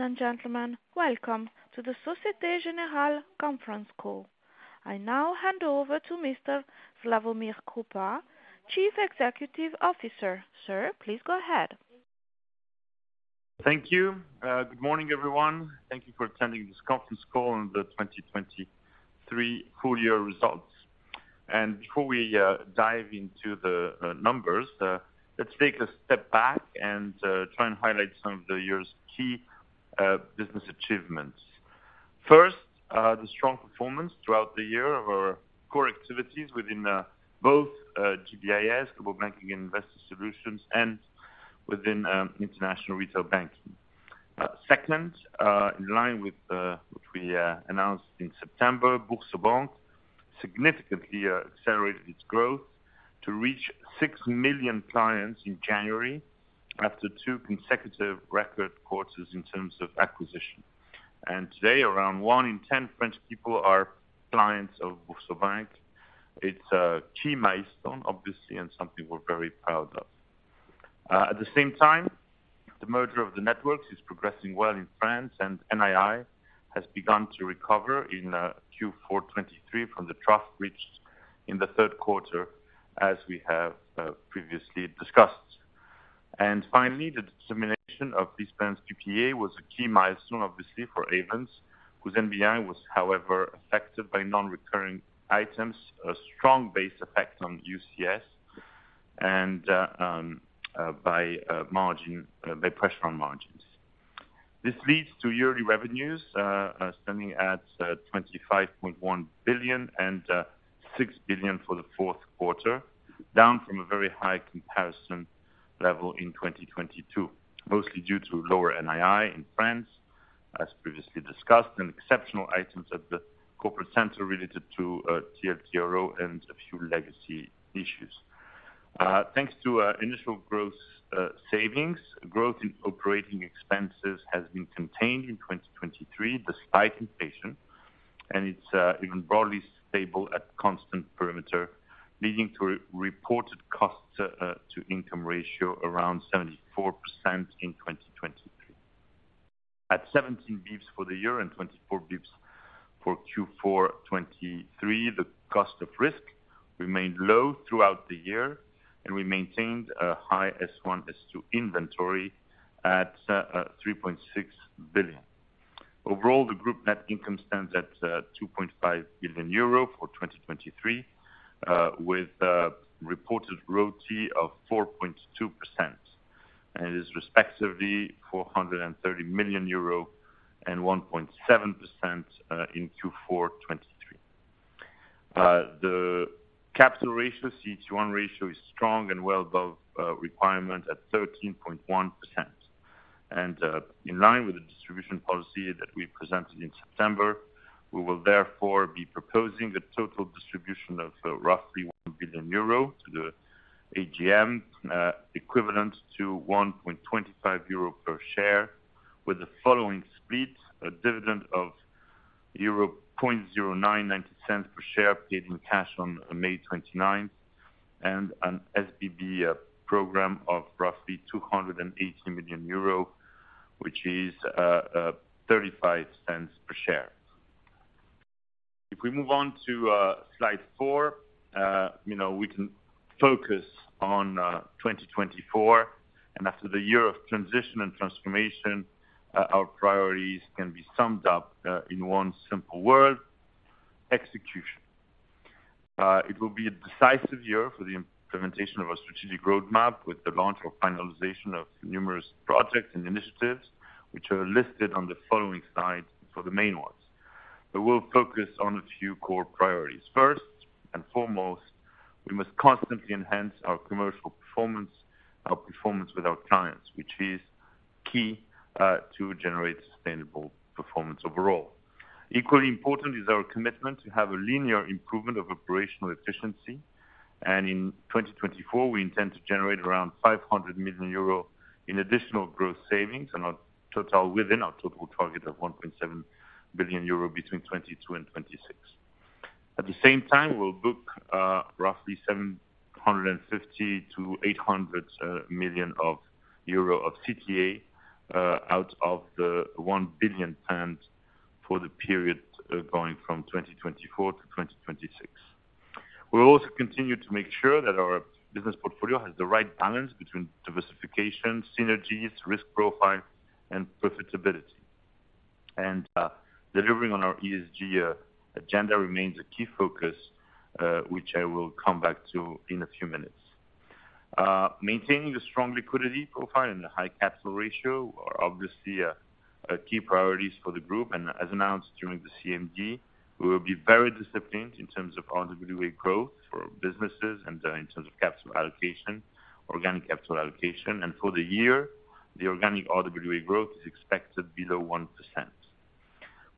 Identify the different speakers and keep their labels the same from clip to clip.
Speaker 1: Ladies and gentlemen, welcome to the Société Générale conference call. I now hand over to Mr. Slawomir Krupa, Chief Executive Officer. Sir, please go ahead.
Speaker 2: Thank you. Good morning, everyone. Thank you for attending this conference call on the 2023 full year results. Before we dive into the numbers, let's take a step back and try and highlight some of the year's key business achievements. First, the strong performance throughout the year of our core activities within both GBIS, Global Banking and Investor Solutions, and within International Retail Banking. Second, in line with which we announced in September, Boursorama significantly accelerated its growth to reach 6 million clients in January after 2 consecutive record quarters in terms of acquisition. Today, around one in 10 French people are clients of Boursorama. It's a key milestone, obviously, and something we're very proud of. At the same time, the merger of the networks is progressing well in France, and NII has begun to recover in Q4 2023 from the trough reached in the third quarter, as we have previously discussed. Finally, the dissemination of LeasePlan's PPA was a key milestone, obviously, for Ayvens, whose NBI was, however, affected by non-recurring items, a strong base effect on UCS and by pressure on margins. This leads to yearly revenues standing at 25.1 billion and 6 billion for the fourth quarter, down from a very high comparison level in 2022, mostly due to lower NII in France, as previously discussed, and exceptional items at the corporate center related to TLTRO and a few legacy issues. Thanks to our initial growth, savings, growth in operating expenses has been contained in 2023, despite inflation, and it's even broadly stable at constant perimeter, leading to a reported cost to income ratio around 74% in 2023. At 17 basis points for the year and 24 basis points for Q4 2023, the cost of risk remained low throughout the year, and we maintained a high S1, S2 inventory at 3.6 billion. Overall, the group net income stands at 2.5 billion euro for 2023, with a reported ROTE of 4.2%, and it is respectively 430 million euro and 1.7% in Q4 2023. The capital ratio, CET1 ratio, is strong and well above requirement at 13.1%. In line with the distribution policy that we presented in September, we will therefore be proposing a total distribution of roughly 1 billion euro to the AGM, equivalent to 1.25 euro per share, with the following split: a dividend of 0.90 per share, paid in cash on May 29th, and an SBB program of roughly 280 million euro, which is 0.35 euro per share. If we move on to slide 4, you know, we can focus on 2024, and after the year of transition and transformation, our priorities can be summed up in one simple word, execution. It will be a decisive year for the implementation of our strategic roadmap, with the launch or finalization of numerous projects and initiatives, which are listed on the following slide for the main ones. But we'll focus on a few core priorities. First and foremost, we must constantly enhance our commercial performance, our performance with our clients, which is key, to generate sustainable performance overall. Equally important is our commitment to have a linear improvement of operational efficiency, and in 2024, we intend to generate around 500 million euro in additional growth savings and our total within our total target of 1.7 billion euro between 2022 and 2026. At the same time, we'll book roughly 750 million-800 million euro of CTA out of the 1 billion planned for the period going from 2024 to 2026. We'll also continue to make sure that our business portfolio has the right balance between diversification, synergies, risk profile, and profitability. Delivering on our ESG agenda remains a key focus, which I will come back to in a few minutes. Maintaining a strong liquidity profile and a high capital ratio are obviously key priorities for the group, and as announced during the CMD, we will be very disciplined in terms of RWA growth for our businesses and in terms of capital allocation, organic capital allocation. For the year, the organic RWA growth is expected below 1%.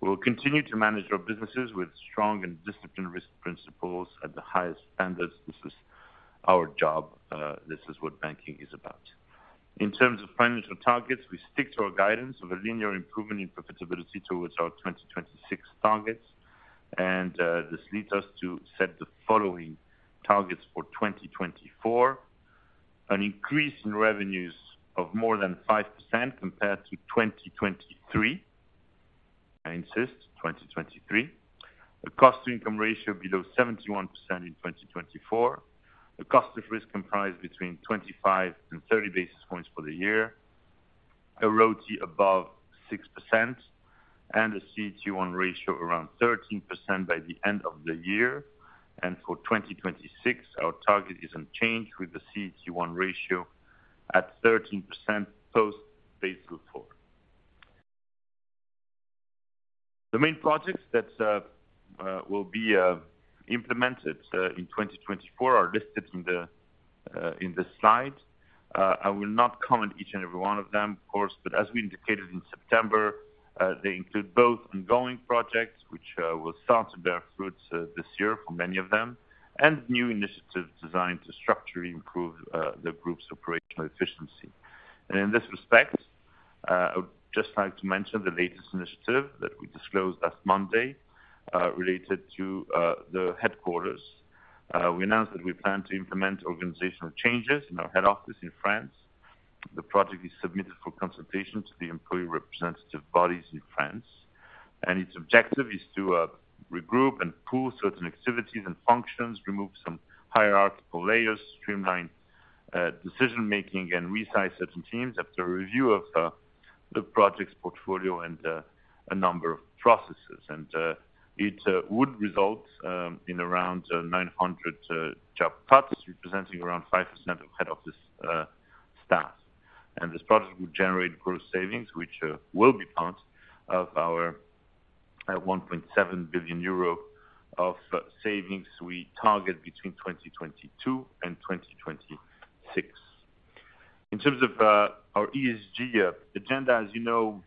Speaker 2: We will continue to manage our businesses with strong and disciplined risk principles at the highest standards. This is our job, this is what banking is about. In terms of financial targets, we stick to our guidance of a linear improvement in profitability towards our 2026 targets, and this leads us to set the following targets for 2024: an increase in revenues of more than 5% compared to 2023. I insist, 2023. A cost-to-income ratio below 71% in 2024, a cost of risk comprised between 25 and 30 basis points for the year, a ROTI above 6%, and a CET1 ratio around 13% by the end of the year. And for 2026, our target is unchanged, with the CET1 ratio at 13% post Basel IV. The main projects that will be implemented in 2024 are listed in the slide. I will not comment each and every one of them, of course, but as we indicated in September, they include both ongoing projects, which will start to bear fruits this year for many of them, and new initiatives designed to structurally improve the group's operational efficiency. And in this respect, I would just like to mention the latest initiative that we disclosed last Monday related to the headquarters. We announced that we plan to implement organizational changes in our head office in France. The project is submitted for consultation to the employee representative bodies in France, and its objective is to regroup and pool certain activities and functions, remove some hierarchical layers, streamline decision-making, and resize certain teams after a review of the projects portfolio and a number of processes. And it would result in around 900 job cuts, representing around 5% of head office staff. And this project would generate gross savings, which will be part of our 1.7 billion euro of savings we target between 2022 and 2026. In terms of our ESG agenda, as you know,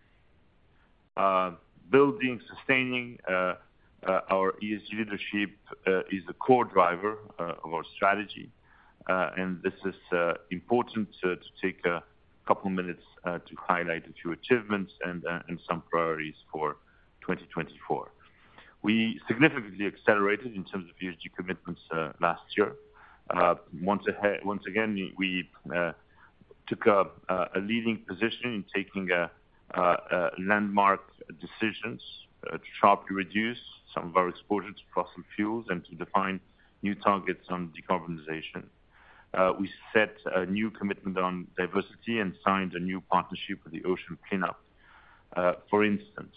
Speaker 2: building, sustaining our ESG leadership is a core driver of our strategy. This is important to take a couple minutes to highlight a few achievements and some priorities for 2024. We significantly accelerated in terms of ESG commitments last year. Once again, we took a leading position in taking landmark decisions to sharply reduce some of our exposure to fossil fuels and to define new targets on decarbonization. We set a new commitment on diversity and signed a new partnership with The Ocean Cleanup. For instance,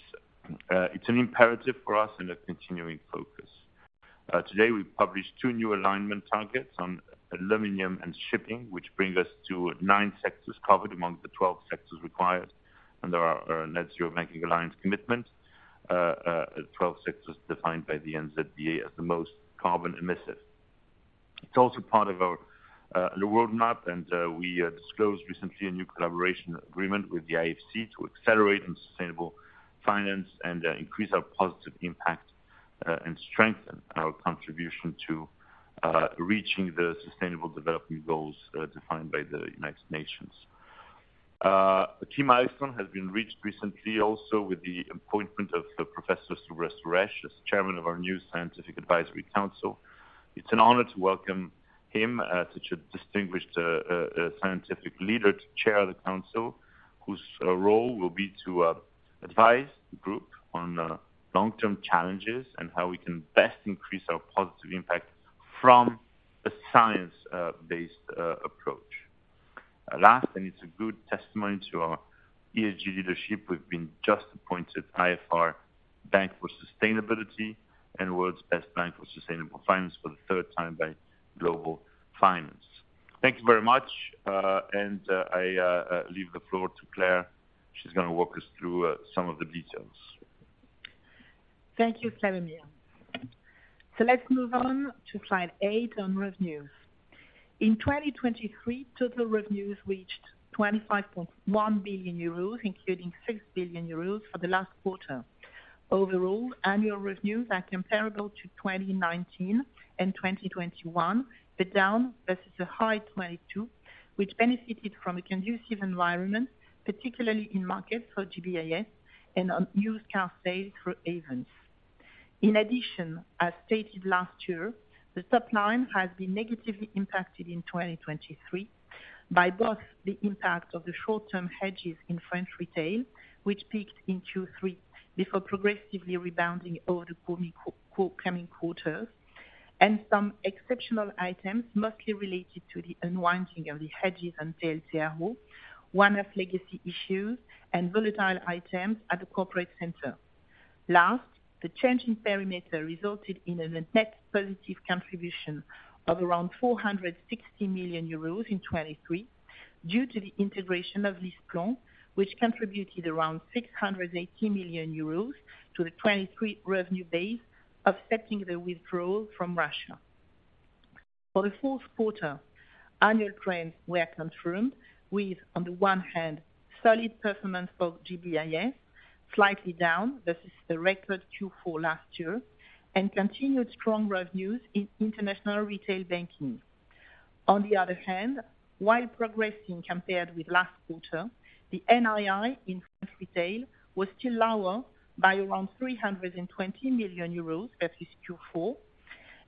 Speaker 2: it's an imperative for us and a continuing focus. Today, we published two new alignment targets on aluminum and shipping, which brings us to nine sectors covered among the twelve sectors required under our Net Zero Banking Alliance commitment, the twelve sectors defined by the NZBA as the most carbon emissive. It's also part of our roadmap, and we disclosed recently a new collaboration agreement with the IFC to accelerate in sustainable finance and increase our positive impact, and strengthen our contribution to reaching the sustainable development goals defined by the United Nations. A key milestone has been reached recently, also with the appointment of Professor Subra Suresh as chairman of our new Scientific Advisory Council. It's an honor to welcome him, such a distinguished scientific leader to chair the council, whose role will be to advise the group on long-term challenges and how we can best increase our positive impact from a science-based approach. Last, and it's a good testimony to our ESG leadership, we've been just appointed IFR Bank for Sustainability and World's Best Bank for Sustainable Finance for the third time by Global Finance. Thank you very much, and I leave the floor to Claire. She's going to walk us through some of the details.
Speaker 3: Thank you, Slawomir. So let's move on to slide 8 on revenues. In 2023, total revenues reached 25.1 billion euros, including 6 billion euros for the last quarter. Overall, annual revenues are comparable to 2019 and 2021, but down versus the high 2022, which benefited from a conducive environment, particularly in markets for GBIS and on used car sales through Ayvens. In addition, as stated last year, the top line has been negatively impacted in 2023 by both the impact of the short-term hedges in French retail, which peaked in Q3, before progressively rebounding over the coming quarters, and some exceptional items, mostly related to the unwinding of the hedges on TLTRO, one-off legacy issues, and volatile items at the corporate center. Last, the change in perimeter resulted in a net positive contribution of around 460 million euros in 2023, due to the integration of LeasePlan, which contributed around 680 million euros to the 2023 revenue base, excepting the withdrawal from Russia. For the fourth quarter, annual trends were confirmed with, on the one hand, solid performance of GBIS, slightly down versus the record Q4 last year, and continued strong revenues in international retail banking. On the other hand, while progressing compared with last quarter, the NII in French retail was still lower by around 320 million euros versus Q4...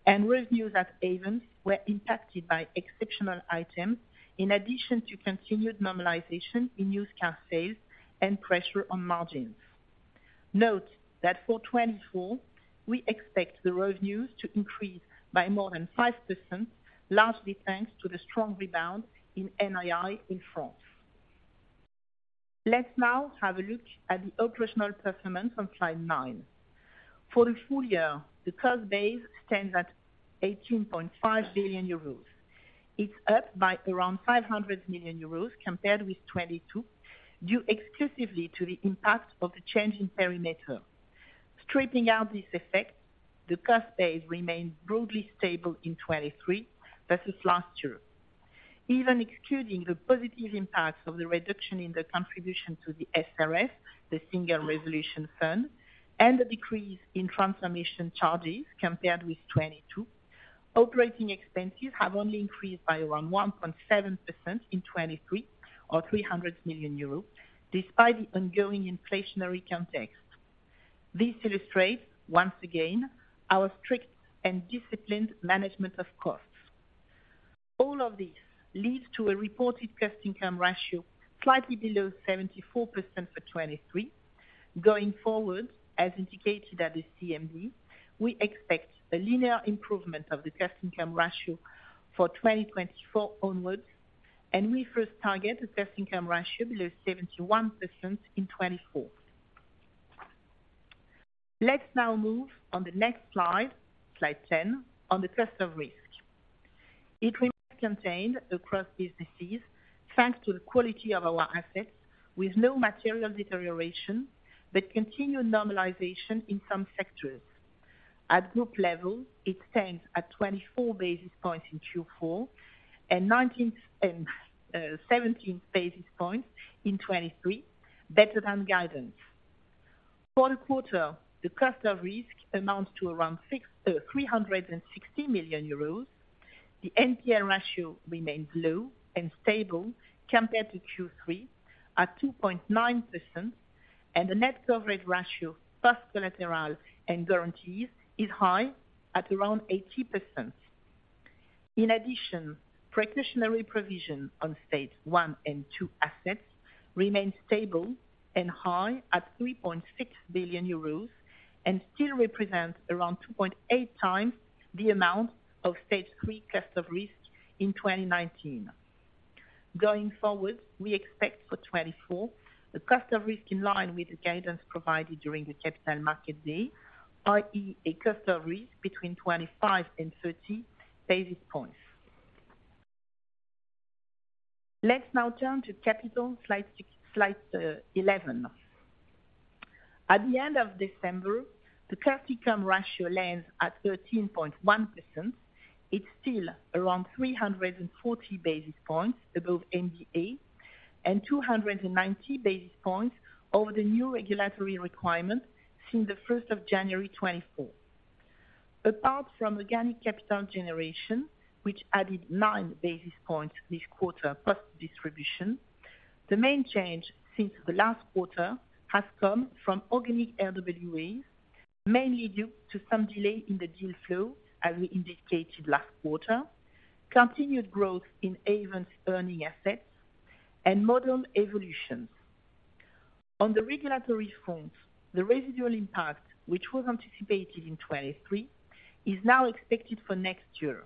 Speaker 3: and revenues at Ayvens were impacted by exceptional items, in addition to continued normalization in used car sales and pressure on margins. Note that for 2024, we expect the revenues to increase by more than 5%, largely thanks to the strong rebound in NII in France. Let's now have a look at the operational performance on slide 9. For the full year, the cost base stands at 18.5 billion euros. It's up by around 500 million euros compared with 2022, due exclusively to the impact of the change in perimeter. Stripping out this effect, the cost base remains broadly stable in 2023 versus last year. Even excluding the positive impacts of the reduction in the contribution to the SRF, the Single Resolution Fund, and the decrease in transformation charges compared with 2022, operating expenses have only increased by around 1.7% in 2023, or 300 million euros, despite the ongoing inflationary context. This illustrates, once again, our strict and disciplined management of costs. All of this leads to a reported cost income ratio slightly below 74% for 2023. Going forward, as indicated at the CMD, we expect a linear improvement of the cost income ratio for 2024 onwards, and we first target a cost income ratio below 71% in 2024. Let's now move on the next slide, slide 10, on the cost of risk. It remains contained across businesses, thanks to the quality of our assets, with no material deterioration, but continued normalization in some sectors. At group level, it stands at 24 basis points in Q4 and seventeen basis points in 2023, better than guidance. For the quarter, the cost of risk amounts to around three hundred and sixty million euros. The NPL ratio remains low and stable compared to Q3 at 2.9%, and the net coverage ratio, post-collateral and guarantees, is high at around 80%. In addition, precautionary provision on Stage 1 and 2 assets remains stable and high at 3.6 billion euros, and still represents around 2.8 times the amount of Stage 3 cost of risk in 2019. Going forward, we expect for 2024, the cost of risk in line with the guidance provided during the capital market day, i.e., a cost of risk between 25-30 basis points. Let's now turn to capital, Slide 6, slide 11. At the end of December, the cost income ratio lands at 13.1%. It's still around 340 basis points above MDA and 290 basis points over the new regulatory requirement since the first of January 2024. Apart from organic capital generation, which added 9 basis points this quarter, post distribution, the main change since the last quarter has come from organic RWAs, mainly due to some delay in the deal flow, as we indicated last quarter, continued growth in Ayvens earning assets, and model evolutions. On the regulatory front, the residual impact, which was anticipated in 2023, is now expected for next year.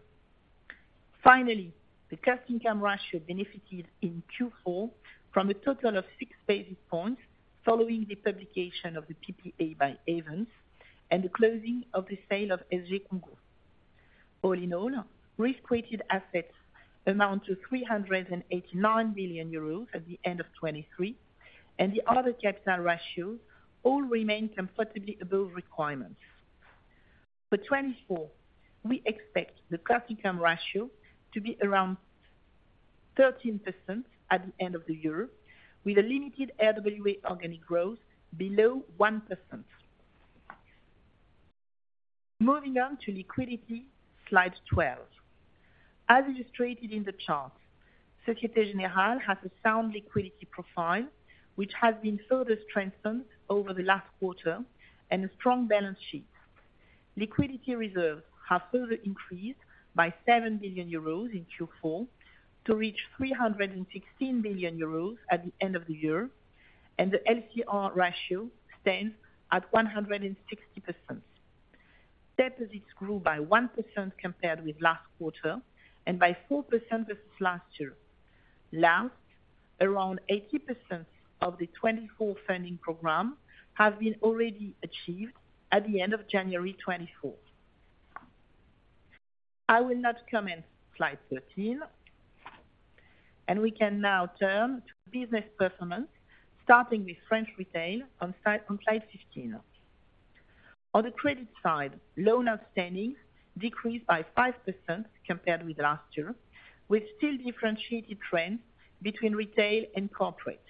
Speaker 3: Finally, the cost income ratio benefited in Q4 from a total of 6 basis points, following the publication of the PPA by Ayvens and the closing of the sale of SG Congo. All in all, risk-weighted assets amount to 389 billion euros at the end of 2023, and the other capital ratios all remain comfortably above requirements. For 2024, we expect the cost income ratio to be around 13% at the end of the year, with a limited RWA organic growth below 1%. Moving on to liquidity, slide 12. As illustrated in the chart, Société Générale has a sound liquidity profile, which has been further strengthened over the last quarter and a strong balance sheet. Liquidity reserves have further increased by 7 billion euros in Q4, to reach 316 billion euros at the end of the year, and the LCR ratio stands at 160%. Deposits grew by 1% compared with last quarter, and by 4% versus last year. Lastly, around 80% of the 2024 funding program have been already achieved at the end of January 2024. I will not comment slide 13. We can now turn to business performance, starting with French Retail on slide 15. On the credit side, loans outstanding decreased by 5% compared with last year, with still differentiated trends between retail and corporate.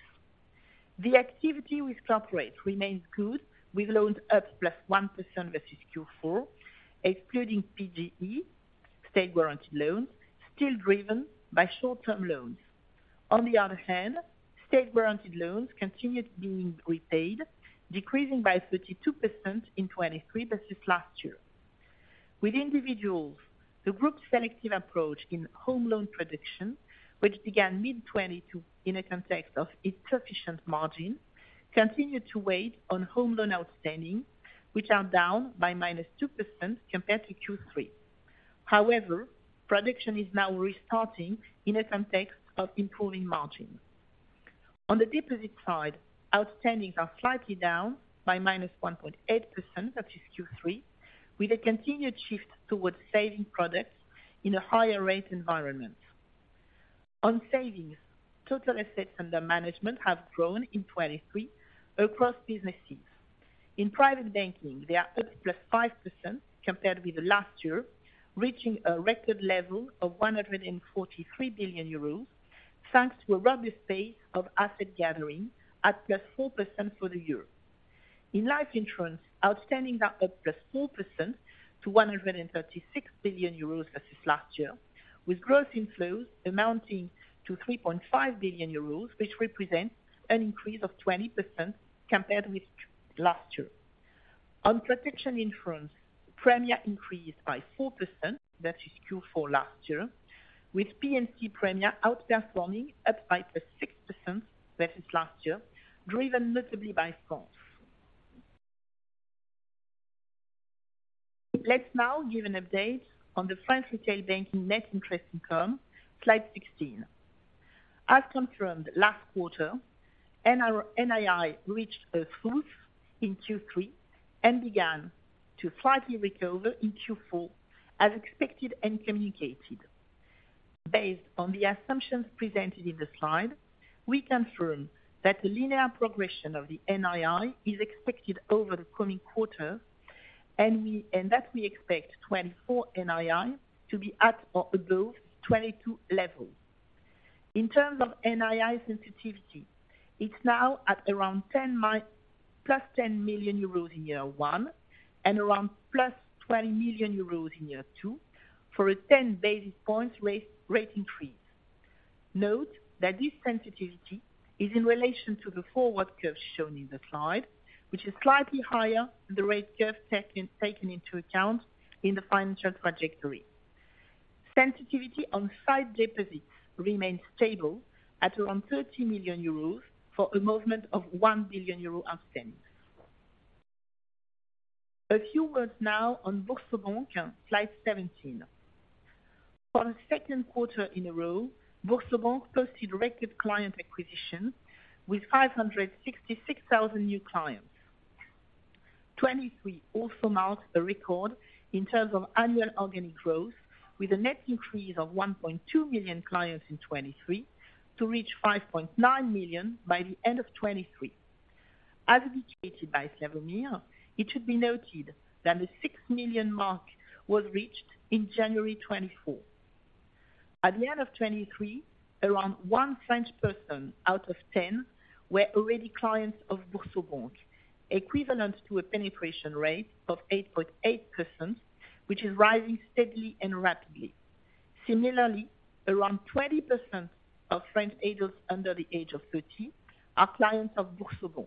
Speaker 3: The activity with corporate remains good, with loans up +1% versus Q4, excluding PGE state-guaranteed loans, still driven by short-term loans. On the other hand, state-guaranteed loans continued being repaid, decreasing by 32% in 2023 versus last year. With individuals, the group's selective approach in home loan production, which began mid-2022, in a context of insufficient margin, continued to weigh on home loan outstanding, which are down by -2% compared to Q3. However, production is now restarting in a context of improving margins. On the deposit side, outstandings are slightly down by -1.8% versus Q3, with a continued shift towards saving products in a higher rate environment. On savings, total assets under management have grown in 2023 across businesses. In Private Banking, they are up +5% compared with last year, reaching a record level of 143 billion euros, thanks to a robust pace of asset gathering at +4% for the year. In life insurance, outstanding are up +4% to 136 billion euros versus last year, with growth inflows amounting to 3.5 billion euros, which represents an increase of 20% compared with last year. On protection insurance, premia increased by 4%, that is Q4 last year, with P&C premia outperforming up by +6% versus last year, driven notably by France. Let's now give an update on the French retail banking net interest income, slide 16. As confirmed last quarter, NII reached a trough in Q3 and began to slightly recover in Q4, as expected and communicated. Based on the assumptions presented in the slide, we confirm that the linear progression of the NII is expected over the coming quarter, and that we expect 2024 NII to be at or above 2022 levels. In terms of NII sensitivity, it's now at around +10 million euros in year one, and around +20 million euros in year two for a 10 basis points rate increase. Note that this sensitivity is in relation to the forward curve shown in the slide, which is slightly higher than the rate curve taken into account in the financial trajectory. Sensitivity on site deposits remains stable at around 30 million euros for a movement of 1 billion euro outstanding. A few words now on Boursorama, slide 17. For the second quarter in a row, Boursorama posted record client acquisition with 566,000 new clients. 2023 also marked a record in terms of annual organic growth, with a net increase of 1.2 million clients in 2023, to reach 5.9 million by the end of 2023. As indicated by Slawomir, it should be noted that the 6 million mark was reached in January 2024. At the end of 2023, around 1 French person out of 10 were already clients of Boursorama, equivalent to a penetration rate of 8.8%, which is rising steadily and rapidly. Similarly, around 20% of French adults under the age of 30 are clients of Boursorama.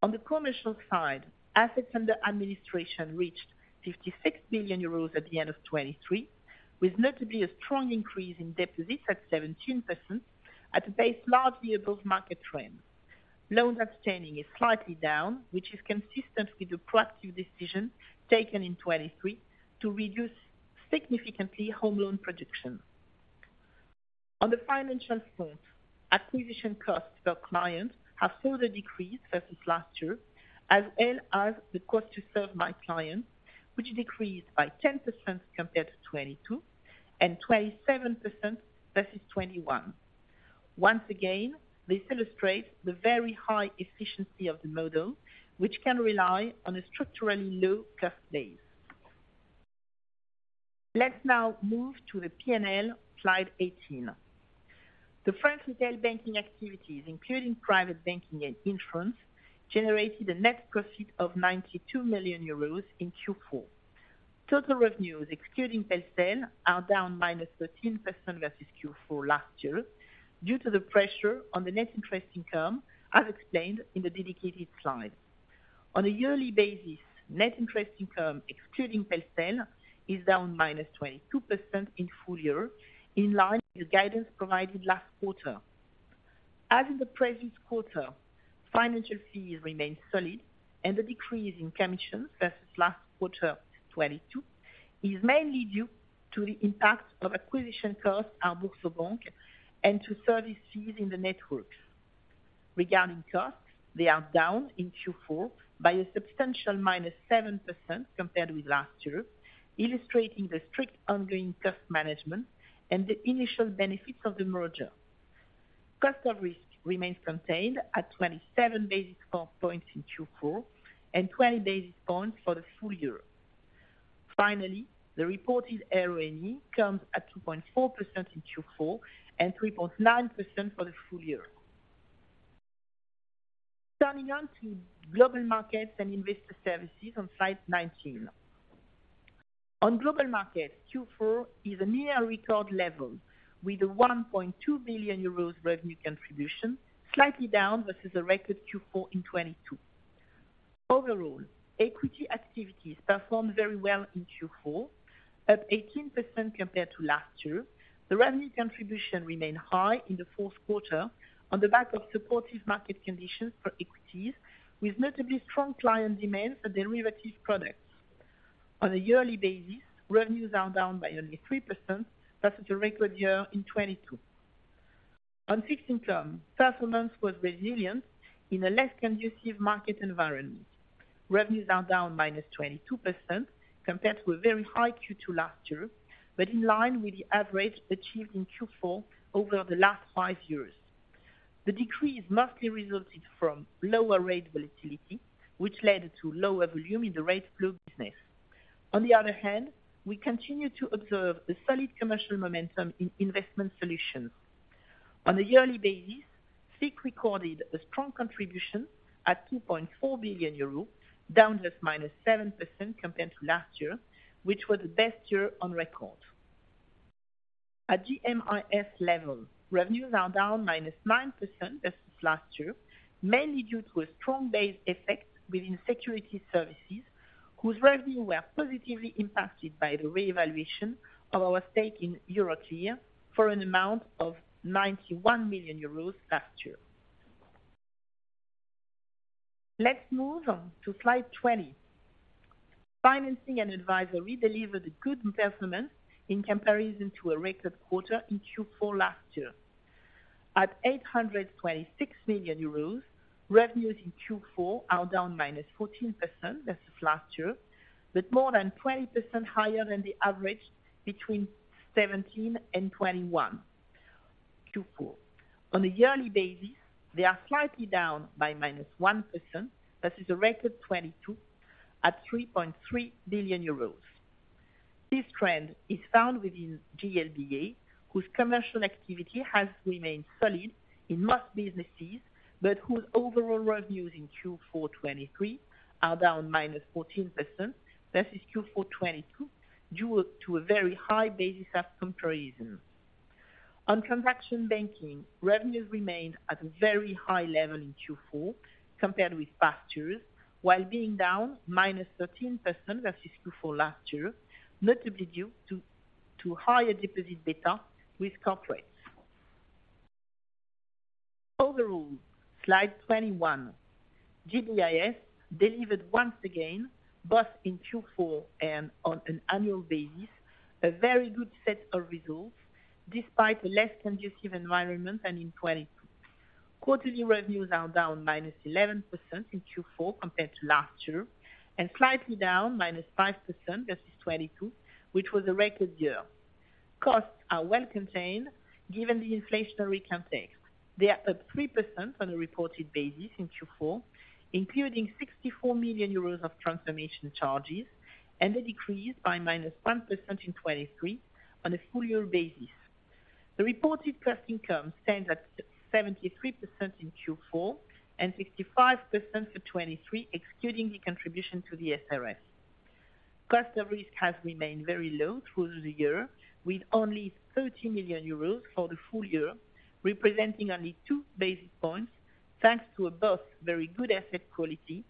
Speaker 3: On the commercial side, assets under administration reached 56 billion euros at the end of 2023, with notably a strong increase in deposits at 17% at a pace largely above market trend. Loan outstanding is slightly down, which is consistent with the proactive decision taken in 2023 to reduce significantly home loan production. On the financial front, acquisition costs per client have further decreased versus last year, as well as the cost to serve my clients, which decreased by 10% compared to 2022, and 27% versus 2021. Once again, this illustrates the very high efficiency of the model, which can rely on a structurally low cost base. Let's now move to the PNL, slide 18. The French Retail Banking activities, including Private Banking and Insurance, generated a net profit of 92 million euros in Q4. Total revenues, excluding PGE, are down -13% versus Q4 last year, due to the pressure on the net interest income, as explained in the dedicated slide. On a yearly basis, net interest income, excluding PGE, is down -22% in full year, in line with the guidance provided last quarter. As in the present quarter, financial fees remain solid, and the decrease in commission versus last quarter 2022 is mainly due to the impact of acquisition costs at Boursorama, and to service fees in the network. Regarding costs, they are down in Q4 by a substantial -7% compared with last year, illustrating the strict ongoing cost management and the initial benefits of the merger. Cost of risk remains contained at 27 basis points in Q4, and 20 basis points for the full year. Finally, the reported ROE comes at 2.4% in Q4, and 3.9% for the full year. Turning on to global markets and investor services on slide 19. On global markets, Q4 is a near record level, with 1.2 billion euros revenue contribution, slightly down versus a record Q4 in 2022. Overall, equity activities performed very well in Q4, up 18% compared to last year. The revenue contribution remained high in the fourth quarter on the back of supportive market conditions for equities, with notably strong client demand for derivative products. On a yearly basis, revenues are down by only 3% versus a record year in 2022. On fixed income, performance was resilient in a less conducive market environment. Revenues are down -22% compared to a very high Q2 last year, but in line with the average achieved in Q4 over the last 5 years. The decrease mostly resulted from lower rate volatility, which led to lower volume in the rate flow business. On the other hand, we continue to observe the solid commercial momentum in investment solutions. On a yearly basis, FIC recorded a strong contribution at 2.4 billion euros, down just -7% compared to last year, which was the best year on record. At GMIS level, revenues are down -9% versus last year, mainly due to a strong base effect within security services, whose revenues were positively impacted by the revaluation of our stake in Euroclear for an amount of 91 million euros last year. Let's move on to slide 20. Financing and advisory delivered a good performance in comparison to a record quarter in Q4 last year. At 826 million euros, revenues in Q4 are down -14% versus last year, but more than 20% higher than the average between 2017 and 2021, Q4. On a yearly basis, they are slightly down by -1% versus a record 2022, at 3.3 billion euros. This trend is found within GLBA, whose commercial activity has remained solid in most businesses, but whose overall revenues in Q4 2023 are down -14% versus Q4 2022, due to a very high basis of comparison. On transaction banking, revenues remained at a very high level in Q4 compared with past years, while being down -13% versus Q4 last year, notably due to higher deposit beta with corporates. Overall, slide 21. GBIS delivered once again, both in Q4 and on an annual basis, a very good set of results, despite a less conducive environment than in 2022. Quarterly revenues are down -11% in Q4 compared to last year, and slightly down -5% versus 2022, which was a record year. Costs are well contained given the inflationary context. They are up 3% on a reported basis in Q4, including 64 million euros of transformation charges, and a decrease by -1% in 2023 on a full year basis. The reported pre-tax income stands at 73% in Q4, and 65% for 2023, excluding the contribution to the SRF. Customer risk has remained very low through the year, with only 30 million euros for the full year, representing only two basis points, thanks to a both very good asset quality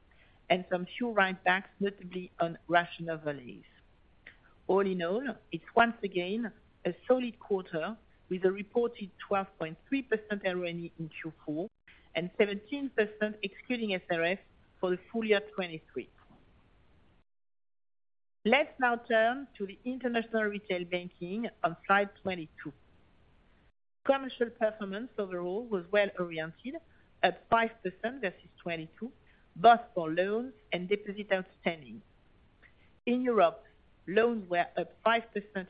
Speaker 3: and some few write-backs, notably on rational values. All in all, it's once again a solid quarter, with a reported 12.3% ROE in Q4, and 17% excluding SRF for the full year of 2023. Let's now turn to the international retail banking on slide 22. Commercial performance overall was well-oriented, at 5% versus 2022, both for loans and deposit outstanding. In Europe, loans were up 5%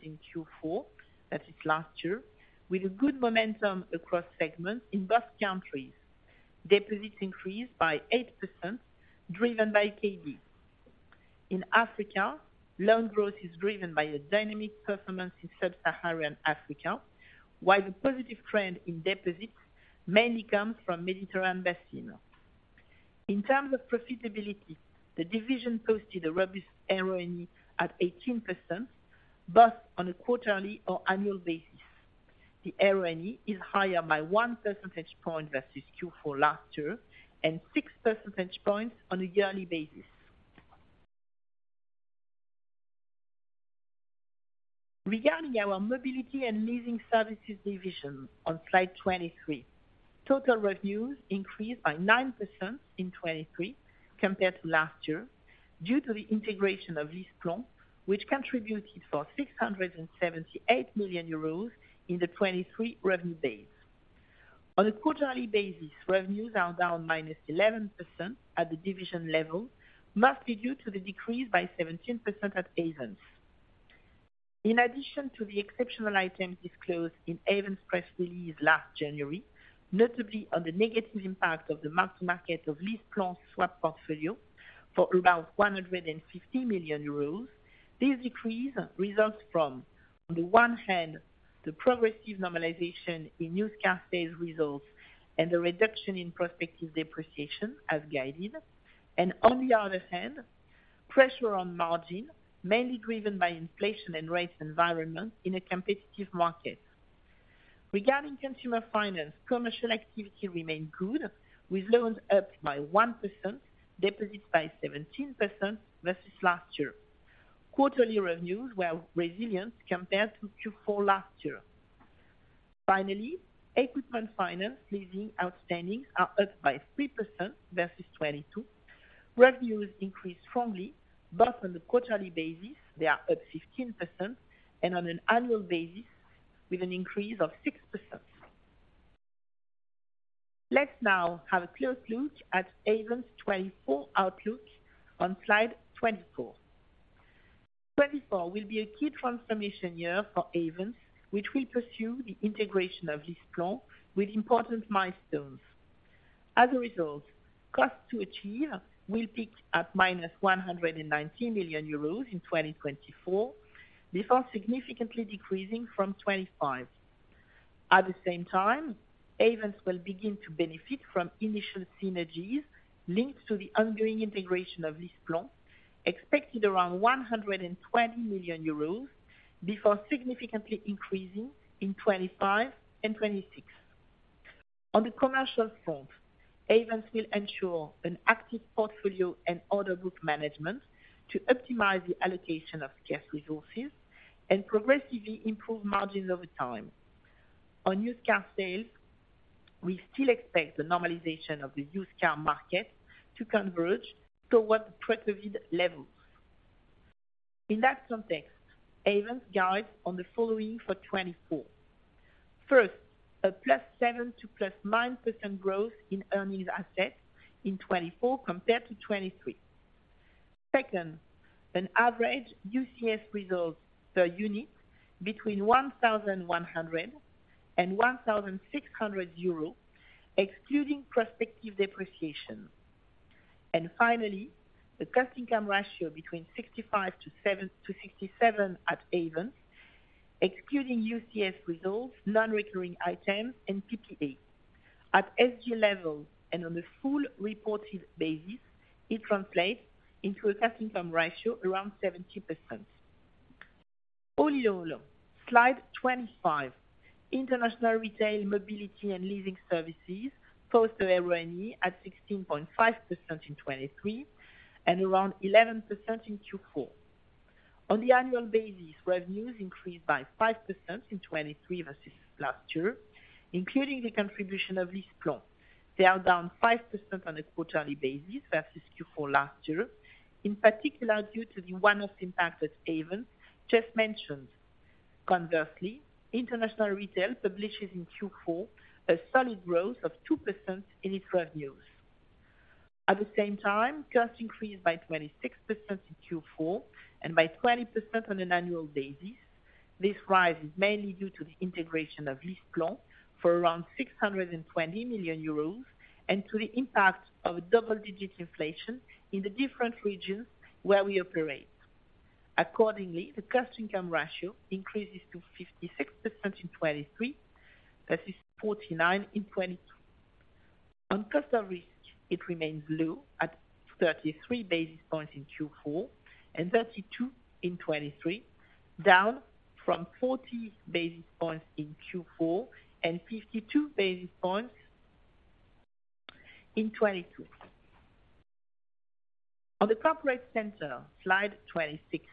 Speaker 3: in Q4, that is last year, with a good momentum across segments in both countries. Deposits increased by 8%, driven by KB. In Africa, loan growth is driven by a dynamic performance in sub-Saharan Africa, while the positive trend in deposits mainly comes from Mediterranean basin. In terms of profitability, the division posted a robust ROE at 18%, both on a quarterly or annual basis. The ROE is higher by 1 percentage point versus Q4 last year, and 6 percentage points on a yearly basis. Regarding our mobility and leasing services division on slide 23, total revenues increased by 9% in 2023 compared to last year, due to the integration of LeasePlan, which contributed for 678 million euros in the 2023 revenue base. On a quarterly basis, revenues are down -11% at the division level, mostly due to the decrease by 17% at Ayvens. In addition to the exceptional items disclosed in Ayvens press release last January, notably on the negative impact of the mark-to-market of LeasePlan swap portfolio for about 150 million euros. This decrease results from, on the one hand, the progressive normalization in used car sales results and the reduction in prospective depreciation as guided. And on the other hand, pressure on margin, mainly driven by inflation and rate environment in a competitive market. Regarding consumer finance, commercial activity remained good, with loans up by 1%, deposits by 17% versus last year. Quarterly revenues were resilient compared to Q4 last year. Finally, equipment finance leasing outstanding are up by 3% versus 2022. Revenues increased strongly, both on the quarterly basis, they are up 15%, and on an annual basis with an increase of 6%. Let's now have a close look at Ayvens' 2024 outlook on slide 24. 2024 will be a key transformation year for Ayvens, which will pursue the integration of LeasePlan with important milestones. As a result, costs to achieve will peak at -190 million euros in 2024, before significantly decreasing from 2025. At the same time, Ayvens will begin to benefit from initial synergies linked to the ongoing integration of LeasePlan, expected around 120 million euros, before significantly increasing in 2025 and 2026. On the commercial front, Ayvens will ensure an active portfolio and order book management to optimize the allocation of scarce resources and progressively improve margins over time. On used car sales, we still expect the normalization of the used car market to converge toward the pre-COVID levels. In that context, Ayvens guides on the following for 2024: First, a +7% to +9% growth in earnings assets in 2024 compared to 2023. Second, an average UCF results per unit between 1,100 and 1,600 euros, excluding prospective depreciation. And finally, the cost income ratio between 65.7% to 67% at Ayvens, excluding UCF results, non-recurring items, and PPA. At SG level and on a full reported basis, it translates into a cost income ratio around 70%. All in all, slide 25. International Retail Mobility and Leasing Services foster ROE at 16.5% in 2023, and around 11% in Q4. On the annual basis, revenues increased by 5% in 2023 versus last year, including the contribution of LeasePlan. They are down 5% on a quarterly basis versus Q4 last year, in particular, due to the one-off impact at Ayvens, just mentioned. Conversely, international retail publishes in Q4 a solid growth of 2% in its revenues. At the same time, costs increased by 26% in Q4 and by 20% on an annual basis. This rise is mainly due to the integration of LeasePlan for around 620 million euros, and to the impact of double-digit inflation in the different regions where we operate. Accordingly, the cost income ratio increases to 56% in 2023, that is 49% in 2022. On customer risk, it remains low at 33 basis points in Q4 and 32 in 2023, down from 40 basis points in Q4 and 52 basis points in 2022. On the corporate center, slide 26.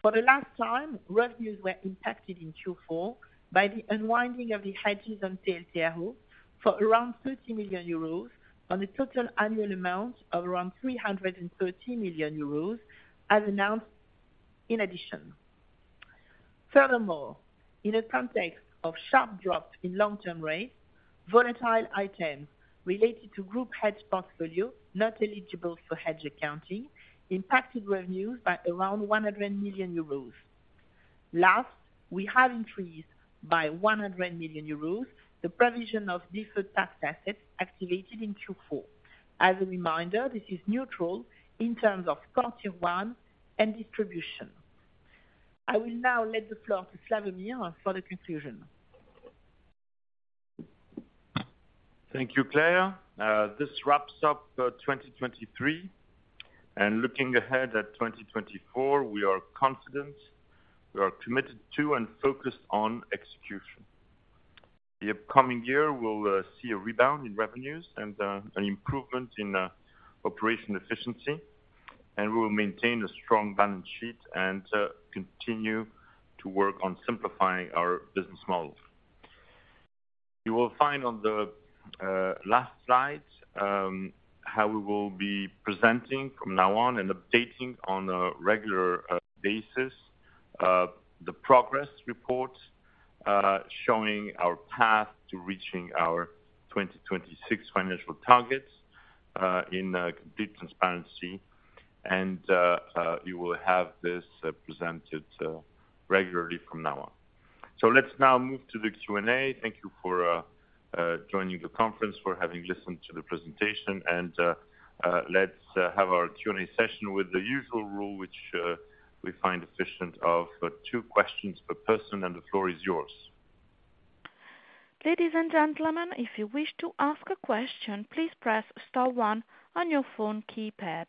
Speaker 3: For the last time, revenues were impacted in Q4 by the unwinding of the hedges on TLTRO for around 30 million euros on a total annual amount of around 330 million euros, as announced in addition. Furthermore, in a context of sharp drops in long-term rates, volatile items related to group hedge portfolio, not eligible for hedge accounting, impacted revenues by around 100 million euros. Last, we have increased by 100 million euros the provision of deferred tax assets activated in Q4. As a reminder, this is neutral in terms of quarter one and distribution. I will now let the floor to Slawomir for the conclusion.
Speaker 2: Thank you, Claire. This wraps up 2023. And looking ahead at 2024, we are confident, we are committed to and focused on execution. The upcoming year will see a rebound in revenues and an improvement in operation efficiency, and we will maintain a strong balance sheet and continue to work on simplifying our business model. You will find on the last slide how we will be presenting from now on and updating on a regular basis the progress report showing our path to reaching our 2026 financial targets in deep transparency... and you will have this presented regularly from now on. So let's now move to the Q&A. Thank you for joining the conference, for having listened to the presentation, and let's have our Q&A session with the usual rule, which we find efficient of two questions per person, and the floor is yours.
Speaker 1: Ladies and gentlemen, if you wish to ask a question, please press star one on your phone keypad.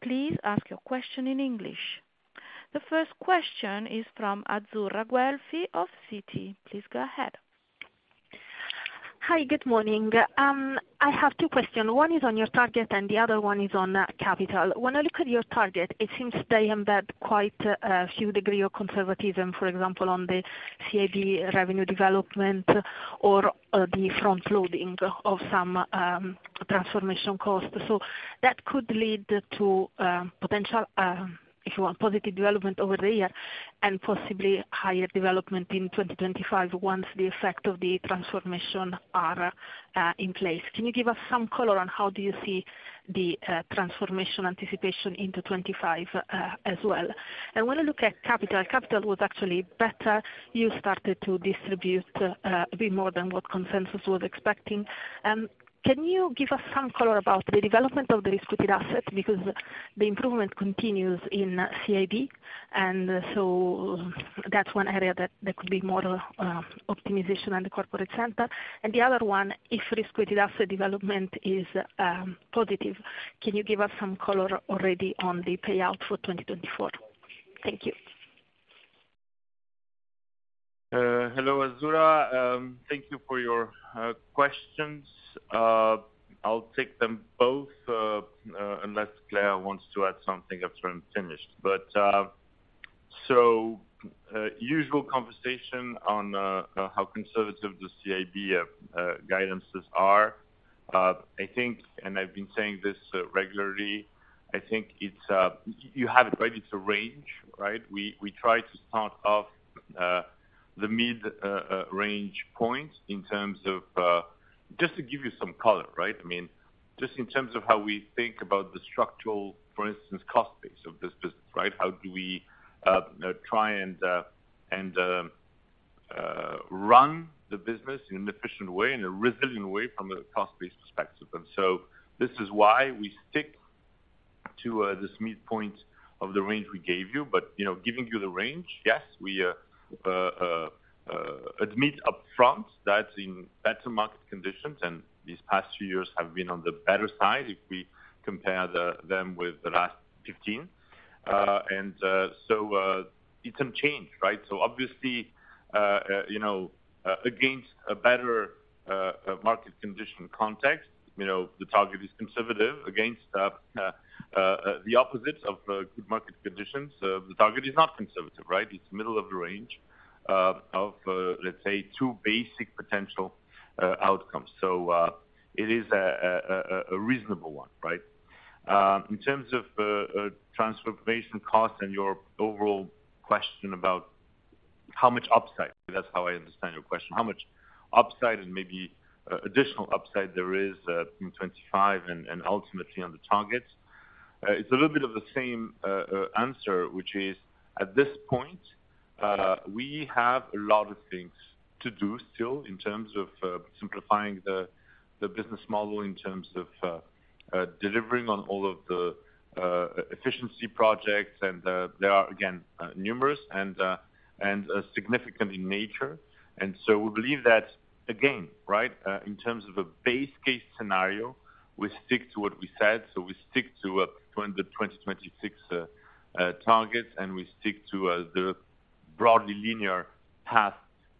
Speaker 1: Please ask your question in English. The first question is from Azzurra Guelfi of Citi. Please go ahead.
Speaker 4: Hi, good morning. I have two questions. One is on your target, and the other one is on capital. When I look at your target, it seems they embed quite a few degree of conservatism, for example, on the CIB revenue development or the front loading of some transformation costs. So that could lead to potential, if you want, positive development over the year and possibly higher development in 2025 once the effect of the transformation are in place. Can you give us some color on how do you see the transformation anticipation into 2025 as well? And when I look at capital, capital was actually better. You started to distribute a bit more than what consensus was expecting. Can you give us some color about the development of the risk-weighted assets? Because the improvement continues in CIB, and so that's one area that there could be more optimization on the corporate center. And the other one, if risk-weighted asset development is positive, can you give us some color already on the payout for 2024? Thank you.
Speaker 2: Hello, Azzurra. Thank you for your questions. I'll take them both, unless Claire wants to add something after I'm finished. But, so, usual conversation on how conservative the CIB guidances are. I think, and I've been saying this regularly, I think it's you have it, right? It's a range, right? We try to start off the mid range point in terms of just to give you some color, right? I mean, just in terms of how we think about the structural, for instance, cost base of this business, right? How do we try and run the business in an efficient way, in a resilient way, from a cost-based perspective. This is why we stick to this midpoint of the range we gave you, but you know, giving you the range, yes, we admit upfront that in better market conditions, and these past few years have been on the better side if we compare them with the last 15. It can change, right? So obviously you know, against a better market condition context, you know, the target is conservative. Against the opposite of good market conditions, the target is not conservative, right? It's middle of the range of let's say, 2 basic potential outcomes. So it is a reasonable one, right? In terms of transformation costs and your overall question about how much upside, if that's how I understand your question, how much upside and maybe additional upside there is from 25 and ultimately on the targets. It's a little bit of the same answer, which is, at this point, we have a lot of things to do still in terms of simplifying the business model, in terms of delivering on all of the efficiency projects, and there are, again, numerous and significant in nature. And so we believe that, again, right, in terms of a base case scenario, we stick to what we said. So we stick to the 2026 targets, and we stick to the broadly linear path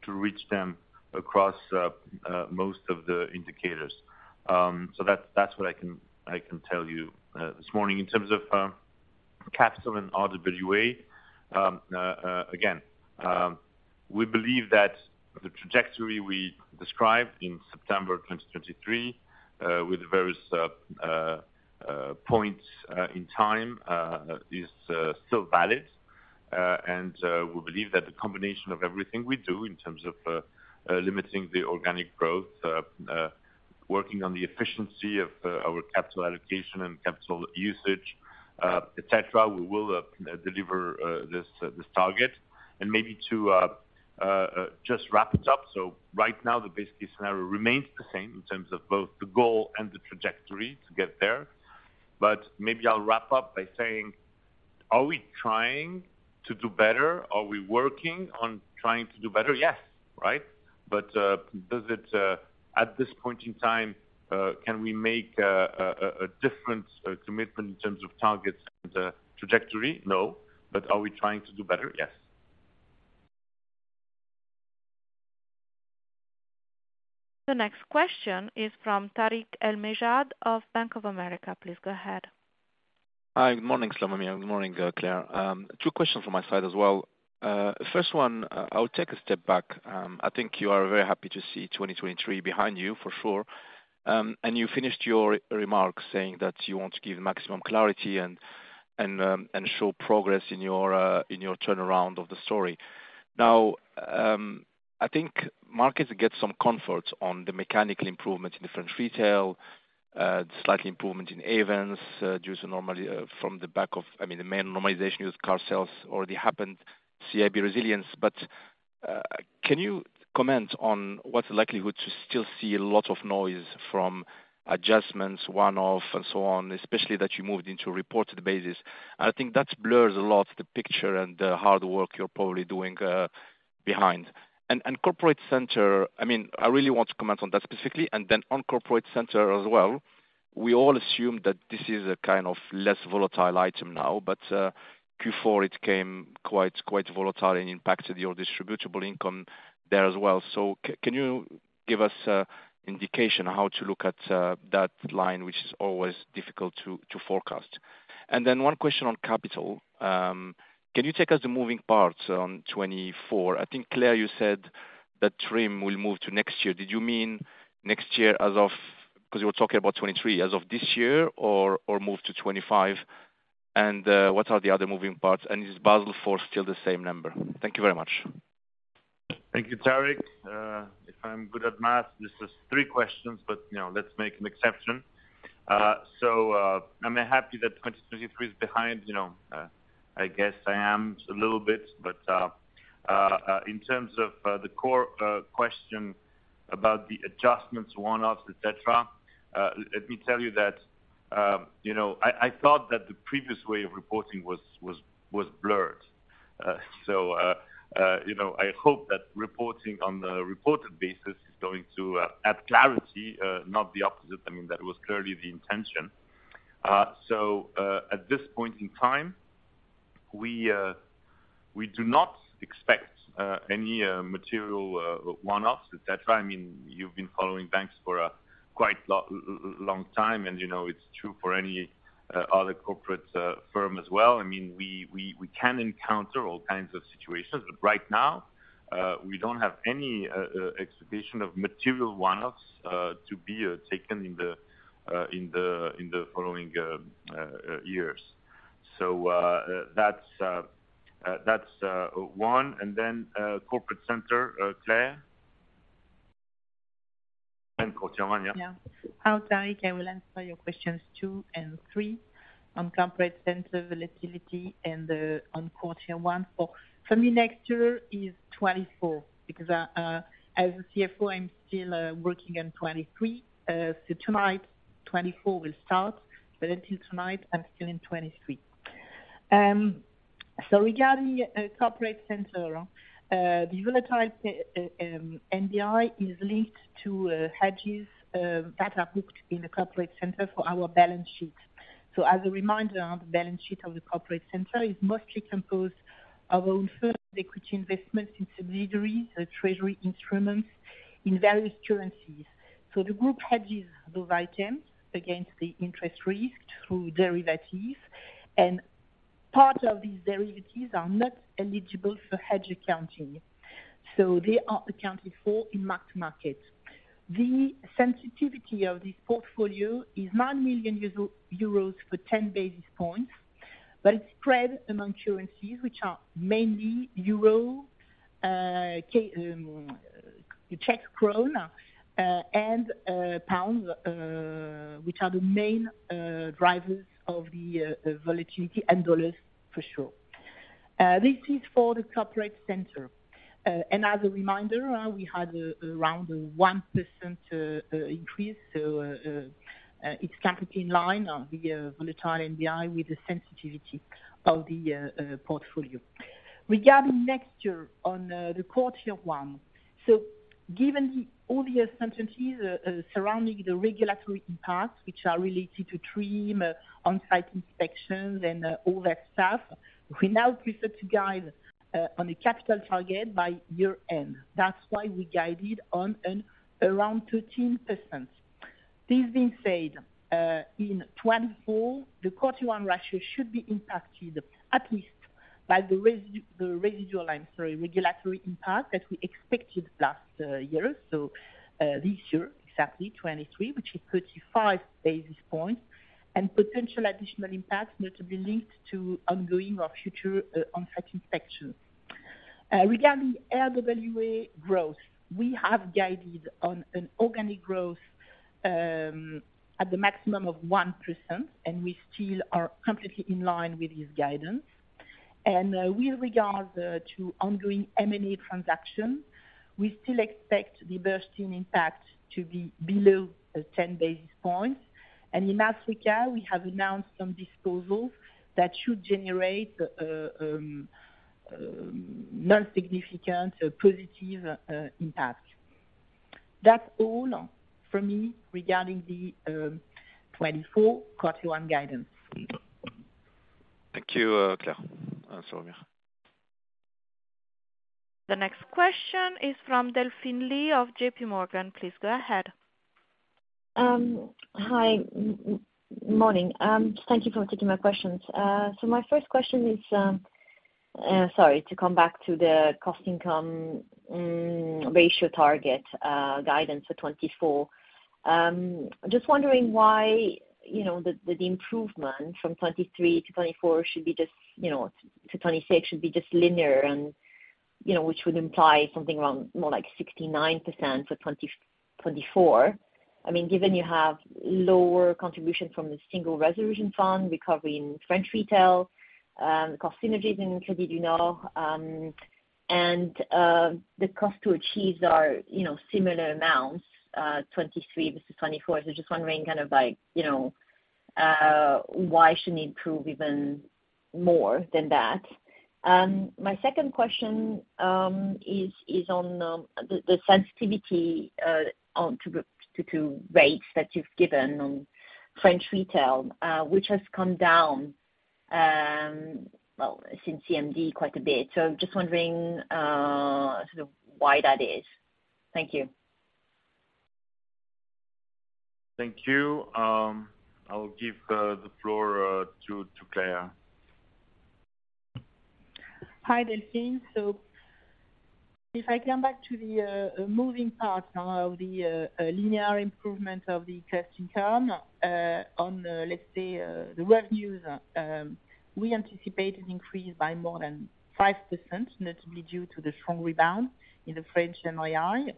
Speaker 2: to reach them across most of the indicators. So that's what I can tell you this morning. In terms of capital and RWA, again, we believe that the trajectory we described in September 2023 with various points in time is still valid. And we believe that the combination of everything we do in terms of limiting the organic growth, working on the efficiency of our capital allocation and capital usage, et cetera, we will deliver this target. Maybe too, just to wrap it up, so right now, the base case scenario remains the same in terms of both the goal and the trajectory to get there. But maybe I'll wrap up by saying, are we trying to do better? Are we working on trying to do better? Yes, right. But at this point in time, can we make a different commitment in terms of targets and trajectory? No. But are we trying to do better? Yes.
Speaker 1: The next question is from Tarik El Mejjad of Bank of America. Please go ahead.
Speaker 2: Hi, good morning, Slawomir, good morning, Claire. Two questions from my side as well. First one, I'll take a step back. I think you are very happy to see 2023 behind you, for sure. And you finished your remark saying that you want to give maximum clarity and, and, and show progress in your, in your turnaround of the story....
Speaker 5: Now, I think markets get some comfort on the mechanical improvements in the French retail, slightly improvement in Avance, due to normally, from the back of, I mean, the main normalization with car sales already happened, CIB resilience. But, can you comment on what's the likelihood to still see a lot of noise from adjustments, one-off, and so on, especially that you moved into a reported basis? I think that blurs a lot, the picture and the hard work you're probably doing, behind. And, and corporate center, I mean, I really want to comment on that specifically, and then on corporate center as well. We all assume that this is a kind of less volatile item now, but, Q4 it came quite, quite volatile and impacted your distributable income there as well. So can you give us indication how to look at that line, which is always difficult to forecast? And then one question on capital. Can you take us the moving parts on 2024? I think, Claire, you said that TRIM will move to next year. Did you mean next year as of, 'cause you were talking about 2023, as of this year or move to 2025? And what are the other moving parts, and is Basel IV still the same number? Thank you very much.
Speaker 2: Thank you, Tarek. If I'm good at math, this is three questions, but, you know, let's make an exception. I'm happy that 2023 is behind, you know, I guess I am a little bit, but in terms of the core question about the adjustments, one-offs, et cetera, let me tell you that, you know, I thought that the previous way of reporting was blurred. You know, I hope that reporting on the reported basis is going to add clarity, not the opposite. I mean, that was clearly the intention. At this point in time, we do not expect any material one-offs, et cetera. I mean, you've been following banks for a quite long time, and you know, it's true for any other corporate firm as well. I mean, we can encounter all kinds of situations, but right now, we don't have any expectation of material one-offs to be taken in the following years. So, that's one, and then, corporate center, Claire? And quarter one, yeah.
Speaker 3: Yeah. Hi, Tarek, I will answer your questions 2 and 3 on corporate center volatility and on quarter one. For me, next year is 2024, because as a CFO, I'm still working on 2023. So tonight, 2024 will start, but until tonight, I'm still in 2023. So regarding corporate center, the volatile NBI is linked to hedges that are booked in the corporate center for our balance sheet. So as a reminder, the balance sheet of the corporate center is mostly composed of own firm equity investments in subsidiaries, so treasury instruments in various currencies. So the group hedges those items against the interest risk through derivatives, and part of these derivatives are not eligible for hedge accounting, so they are accounted for in mark-to-market. The sensitivity of this portfolio is 9 million euros for 10 basis points, but it's spread among currencies, which are mainly euro, K, Czech koruna, and pound, which are the main drivers of the volatility, and dollars for sure. This is for the corporate center. And as a reminder, we had around a 1% increase, so it's completely in line on the volatile NBI with the sensitivity of the portfolio. Regarding next year, on the quarter one, so given all the uncertainties surrounding the regulatory impact, which are related to TRIM, on-site inspections, and all that stuff, we now prefer to guide on the capital target by year end. That's why we guided on around 13%. This being said, in 2024, the quarter one ratio should be impacted at least by the residual, I'm sorry, regulatory impact that we expected last year. So, this year, exactly, 2023, which is 35 basis points, and potential additional impacts that will be linked to ongoing or future on-site inspections. Regarding RWA growth, we have guided on an organic growth at the maximum of 1%, and we still are completely in line with this guidance. And with regards to ongoing M&A transactions, we still expect the positive impact to be below 10 basis points. And in Africa, we have announced some disposals that should generate non-significant positive impact. That's all from me regarding the 2024 quarter one guidance.
Speaker 2: Thank you, Claire. Sophia?
Speaker 1: The next question is from Delphine Lee of JP Morgan. Please go ahead.
Speaker 6: Hi, morning. Thank you for taking my questions. So my first question is, sorry, to come back to the cost income ratio target guidance for 2024. Just wondering why, you know, the improvement from 2023 to 2024 should be just, you know, to 26, should be just linear and-... you know, which would imply something around more like 69% for 2024. I mean, given you have lower contribution from the Single Resolution Fund, recovery in French retail, cost synergies in Crédit du Nord, and the cost to achieve are, you know, similar amounts, 2023 versus 2024. So just wondering, kind of, like, you know, why should it improve even more than that? My second question is on the sensitivity on to the rates that you've given on French retail, which has come down, well, since CMD quite a bit. So just wondering, sort of why that is. Thank you.
Speaker 2: Thank you. I'll give the floor to Claire.
Speaker 3: Hi, Delphine. So if I come back to the moving part of the linear improvement of the first income, on let's say the revenues, we anticipate an increase by more than 5%, notably due to the strong rebound in the French NII.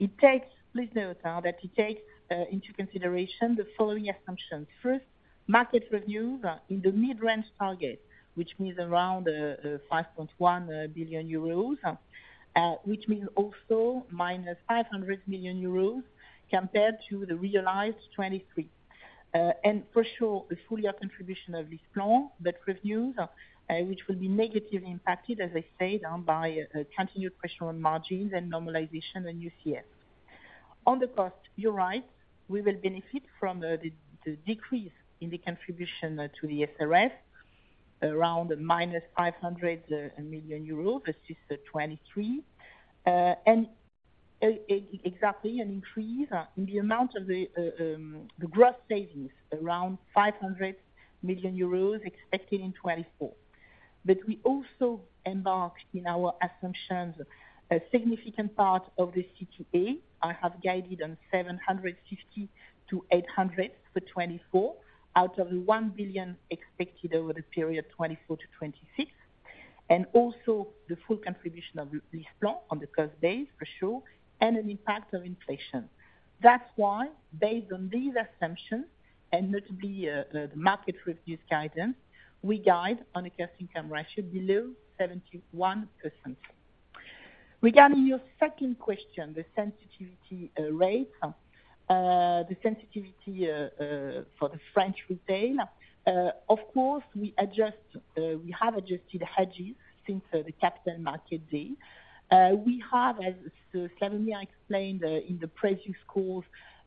Speaker 3: It takes. Please note that it takes into consideration the following assumptions. First, market reviews in the mid-range target, which means around 5.1 billion euros, which means also -500 million euros, compared to the realized 2023. And for sure, the full year contribution of this plan, but revenues which will be negatively impacted, as I said, by a continued pressure on margins and normalization on UCF. On the cost, you're right, we will benefit from the decrease in the contribution to the SRF, around minus EUR 500 million versus 2023. And exactly, an increase in the amount of the gross savings, around 500 million euros expected in 2024. But we also embarked in our assumptions, a significant part of the CTA. I have guided on 750-800 for 2024, out of the 1 billion expected over the period 2024-2026. And also the full contribution of this plan on the first base, for sure, and an impact of inflation. That's why, based on these assumptions, and notably, the market review guidance, we guide on a cash income ratio below 71%. Regarding your second question, the sensitivity rate, the sensitivity for the French retail. Of course, we adjust; we have adjusted hedges since the Capital Markets Day. We have, as Slawomir explained in the previous calls,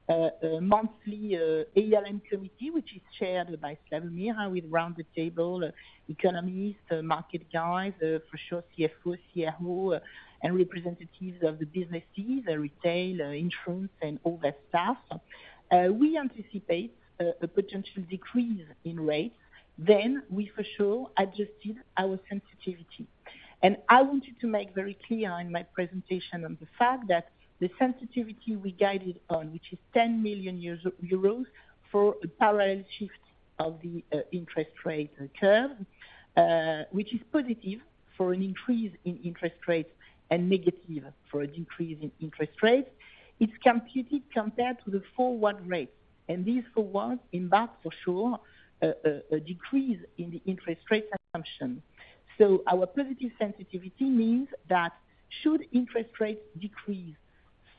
Speaker 3: a monthly ALM committee, which is chaired by Slawomir, with round the table economists, market guys, for sure, CFO, CRO, and representatives of the businesses, the retail, insurance, and all that stuff. We anticipate a potential decrease in rates; then we for sure adjusted our sensitivity. And I wanted to make very clear in my presentation on the fact that the sensitivity we guided on, which is 10 million euros, for a parallel shift of the interest rate curve, which is positive for an increase in interest rates and negative for a decrease in interest rates. It's computed compared to the forward rate, and this forward embeds for sure a decrease in the interest rate assumption. So our positive sensitivity means that should interest rates decrease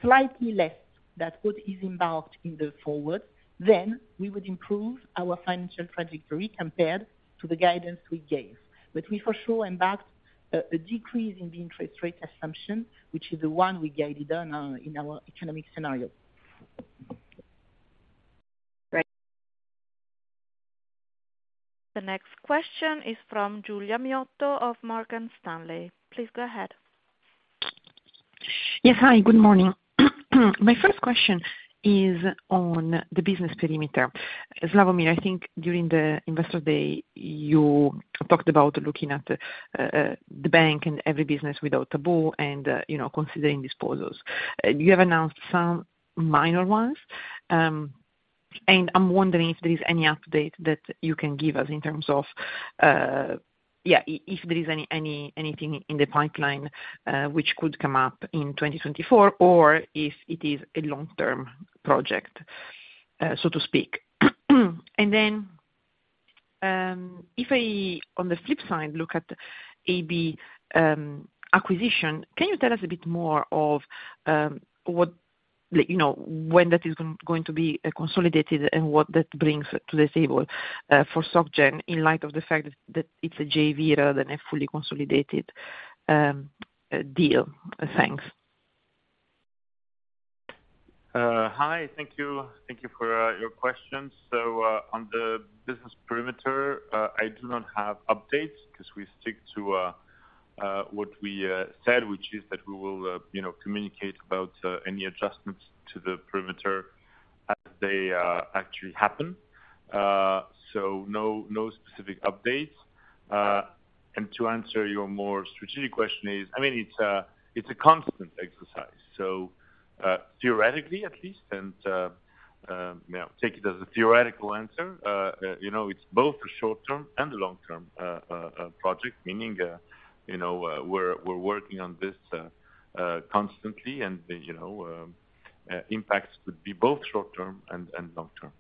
Speaker 3: slightly less than what is embedded in the forward, then we would improve our financial trajectory compared to the guidance we gave. But we for sure embedded a decrease in the interest rate assumption, which is the one we guided on, in our economic scenario.
Speaker 6: Great.
Speaker 1: The next question is from Giulia Miotto of Morgan Stanley. Please go ahead.
Speaker 7: Yes, hi, good morning. My first question is on the business perimeter. Slawomir, I think during the Investor Day, you talked about looking at the bank and every business without taboo and, you know, considering disposals. You have announced some minor ones, and I'm wondering if there is any update that you can give us in terms of if there is anything in the pipeline, which could come up in 2024, or if it is a long-term project, so to speak. And then, if I, on the flip side, look at AB acquisition, can you tell us a bit more of what, like, you know, when that is going to be consolidated and what that brings to the table for Soc Gen, in light of the fact that it's a JV rather than a fully consolidated deal? Thanks.
Speaker 2: Hi. Thank you. Thank you for your questions. So, on the business perimeter, I do not have updates because we stick to what we said, which is that we will, you know, communicate about any adjustments to the perimeter as they actually happen. So no, no specific updates. And to answer your more strategic question is, I mean, it's a, it's a constant exercise. So, theoretically at least, and, you know, take it as a theoretical answer, you know, it's both a short-term and a long-term project. Meaning, you know, we're working on this constantly and, you know, impacts would be both short term and long term.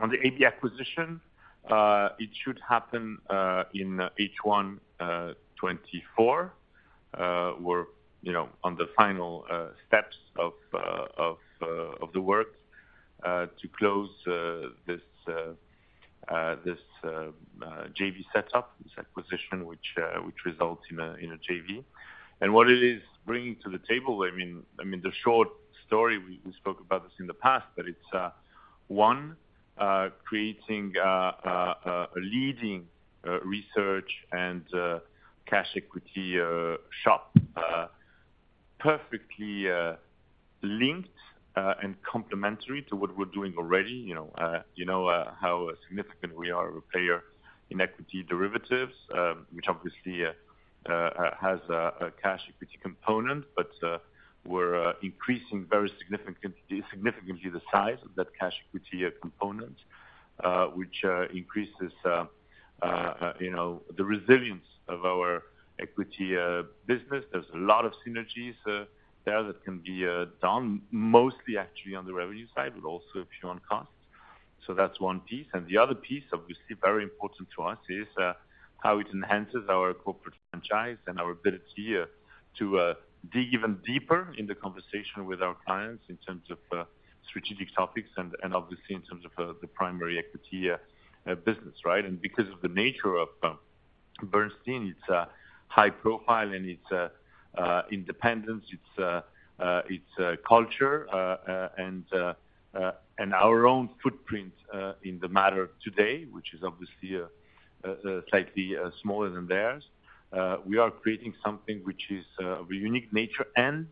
Speaker 2: On the AB acquisition, it should happen in H1 2024. We're, you know, on the final steps of the work to close this JV setup, this acquisition which results in a JV. And what it is bringing to the table, I mean, the short story, we spoke about this in the past, but it's one, creating a leading research and cash equity shop. Perfectly linked and complementary to what we're doing already, you know, how significant we are a player in equity derivatives, which obviously has a cash equity component, but we're increasing significantly the size of that cash equity component, which, you know, the resilience of our equity business. There's a lot of synergies there that can be done, mostly actually on the revenue side, but also a few on costs. So that's one piece. And the other piece, obviously, very important to us, is how it enhances our corporate franchise and our ability to dig even deeper in the conversation with our clients in terms of strategic topics and obviously in terms of the primary equity business, right? And because of the nature of Bernstein, it's high profile, and its independence, its culture, and our own footprint in the matter today, which is obviously slightly smaller than theirs. We are creating something which is of a unique nature and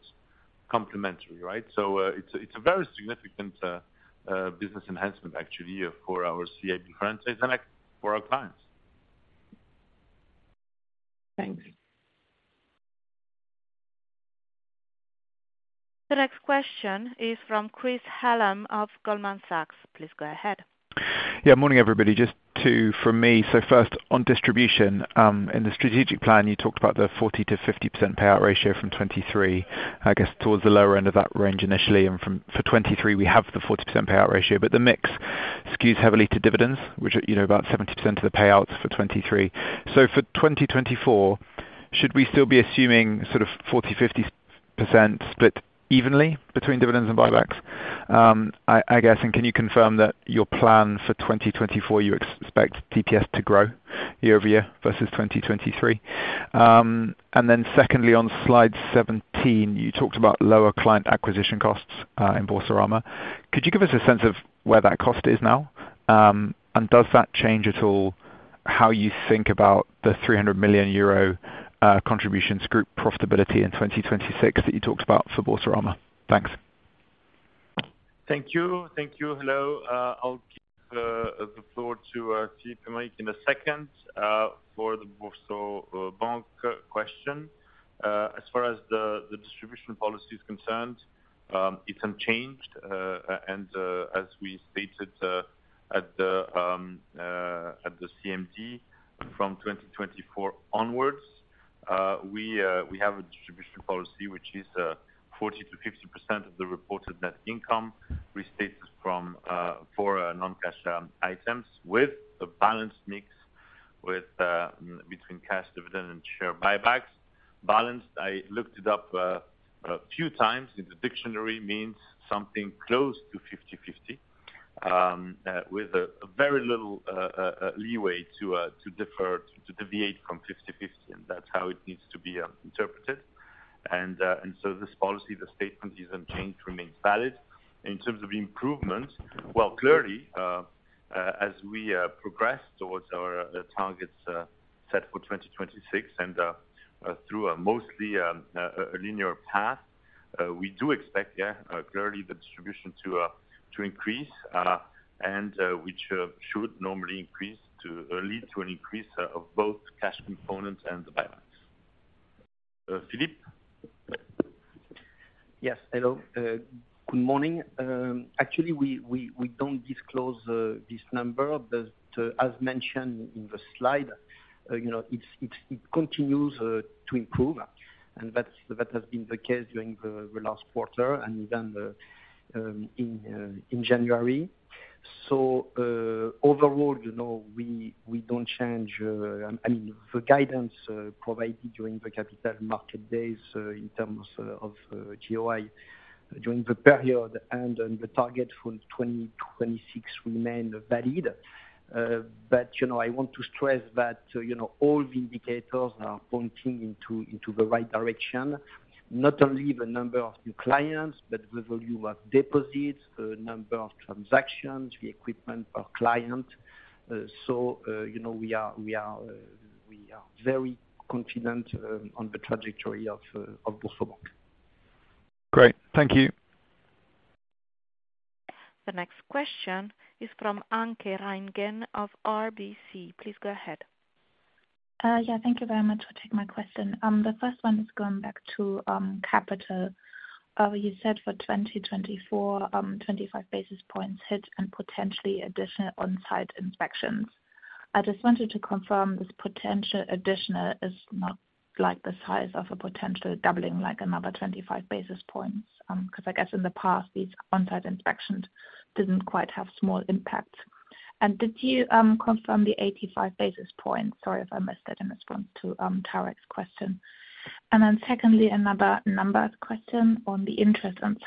Speaker 2: complementary, right? It's a very significant business enhancement, actually, for our CIB franchise and for our clients.
Speaker 7: Thanks.
Speaker 1: The next question is from Chris Hallam of Goldman Sachs. Please go ahead.
Speaker 8: Yeah, morning, everybody. Just two from me. So first, on distribution, in the strategic plan, you talked about the 40%-50% payout ratio from 2023, I guess, towards the lower end of that range initially, and for 2023, we have the 40% payout ratio, but the mix skews heavily to dividends, which are, you know, about 70% of the payouts for 2023. So for 2024, should we still be assuming sort of 40%-50% split evenly between dividends and buybacks? I guess, and can you confirm that your plan for 2024, you expect EPS to grow year-over-year versus 2023? And then secondly, on slide 17, you talked about lower client acquisition costs in Boursorama. Could you give us a sense of where that cost is now? Does that change at all how you think about the 300 million euro contributions group profitability in 2026 that you talked about for Boursorama? Thanks.
Speaker 2: Thank you. Thank you. Hello. I'll give the floor to Philippe in a second, for the Boursorama question. As far as the distribution policy is concerned, it's unchanged, and as we stated at the CMD, from 2024 onwards, we have a distribution policy which is 40%-50% of the reported net income, restated for non-cash items, with a balanced mix between cash dividend and share buybacks. Balanced, I looked it up a few times, in the dictionary means something close to 50/50, with a very little leeway to deviate from 50/50, and that's how it needs to be interpreted. So this policy, the statement is unchanged, remains valid. In terms of improvement, well, clearly, as we progress towards our targets set for 2026 and through a mostly a linear path, we do expect, yeah, clearly the distribution to increase, and which should normally increase to lead to an increase of both cash components and the buybacks. Philippe?
Speaker 9: Yes. Hello, good morning. Actually, we don't disclose this number, but as mentioned in the slide, you know, it continues to improve, and that has been the case during the last quarter and even in January. So, overall, you know, we don't change, I mean, the guidance provided during the capital market days, in terms of GOI during the period and on the target for 2026 remain valid. But, you know, I want to stress that, you know, all the indicators are pointing into the right direction, not only the number of new clients, but the volume of deposits, the number of transactions, the equipment per client. So, you know, we are very confident on the trajectory of Boursorama.
Speaker 8: Great. Thank you.
Speaker 1: The next question is from Anke Reingen of RBC. Please go ahead.
Speaker 10: Yeah, thank you very much for taking my question. The first one is going back to capital. You said for 2024, 25 basis points hit and potentially additional on-site inspections. I just wanted to confirm this potential additional is not like the size of a potential doubling, like another 25 basis points. 'Cause I guess in the past, these on-site inspections didn't quite have small impacts. And did you confirm the 85 basis points? Sorry if I missed it in response to Tarek's question. And then secondly, another numbered question on the interest on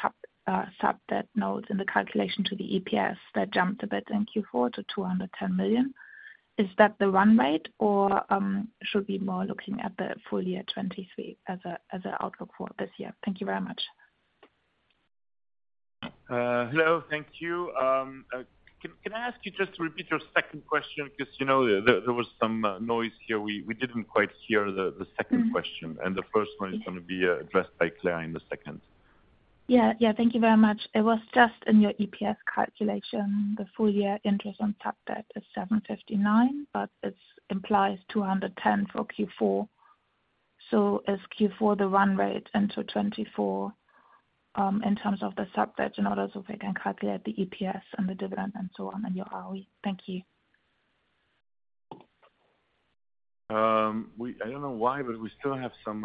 Speaker 10: sub debt notes in the calculation to the EPS that jumped a bit in Q4 to 210 million. Is that the run rate, or should we be more looking at the full year 2023 as a, as an outlook for this year? Thank you very much.
Speaker 2: Hello, thank you. Can I ask you just to repeat your second question? Because, you know, there was some noise here. We didn't quite hear the second question. And the first one is gonna be addressed by Claire in a second.
Speaker 10: Yeah. Yeah, thank you very much. It was just in your EPS calculation, the full year interest on sub-debt is 759, but it implies 210 for Q4. So is Q4 the run rate into 2024, in terms of the sub-debt in order, so we can calculate the EPS and the dividend and so on in your ROE? Thank you.
Speaker 2: I don't know why, but we still have some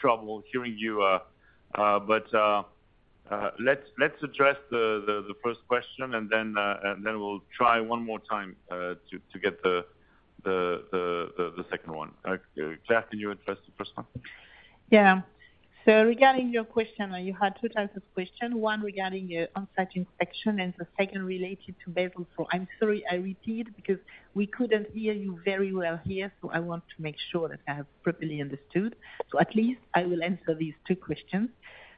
Speaker 2: trouble hearing you, but let's address the first question, and then we'll try one more time to get the second one. Claire, can you address the first one?
Speaker 3: Yeah. So regarding your question, you had two types of questions. One, regarding your on-site inspection, and the second related to Basel IV. I'm sorry, I repeat, because we couldn't hear you very well here, so I want to make sure that I have properly understood. So at least I will answer these two questions.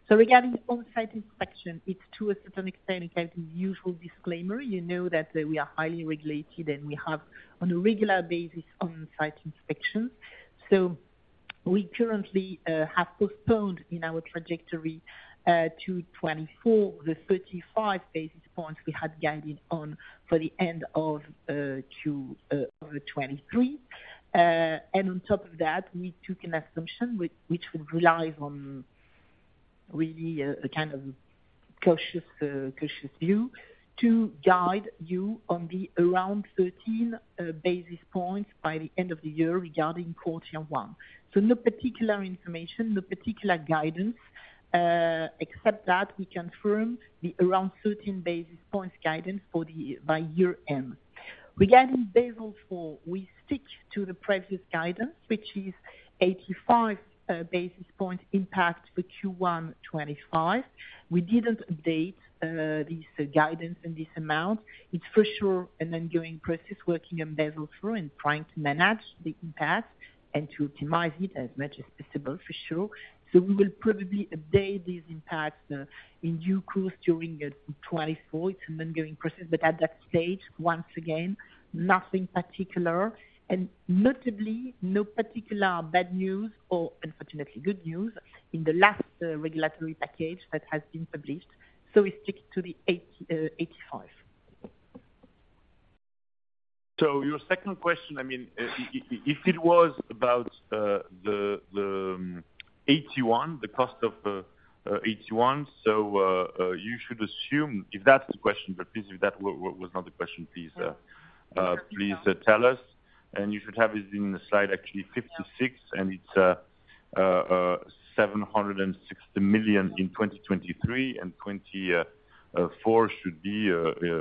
Speaker 3: So regarding on-site inspection, it's to a certain extent, it has the usual disclaimer. You know, that we are highly regulated, and we have on a regular basis on-site inspection. So we currently have postponed in our trajectory to 2024, the 35 basis points we had guided on for the end of Q 2023. And on top of that, we took an assumption which would rely on really a kind of cautious view to guide you on the around 13 basis points by the end of the year, regarding quarter one. So no particular information, no particular guidance, except that we confirm the around 13 basis points guidance for the by year end. Regarding Basel IV, we stick to the previous guidance, which is 85 basis point impact for Q1 2025. We didn't update this guidance and this amount. It's for sure an ongoing process, working on Basel IV and trying to manage the impact and to optimize it as much as possible, for sure. So we will probably update these impacts in due course during 2024. It's an ongoing process, but at that stage, once again, nothing particular. Notably, no particular bad news or unfortunately good news in the last regulatory package that has been published. So we stick to the 85.
Speaker 2: So your second question, I mean, if it was about the AT1, the cost of AT1, so you should assume, if that's the question, but please, if that was not the question, please tell us. And you should have it in the slide, actually, 56, and it's 760 million in 2023, and 2024 should be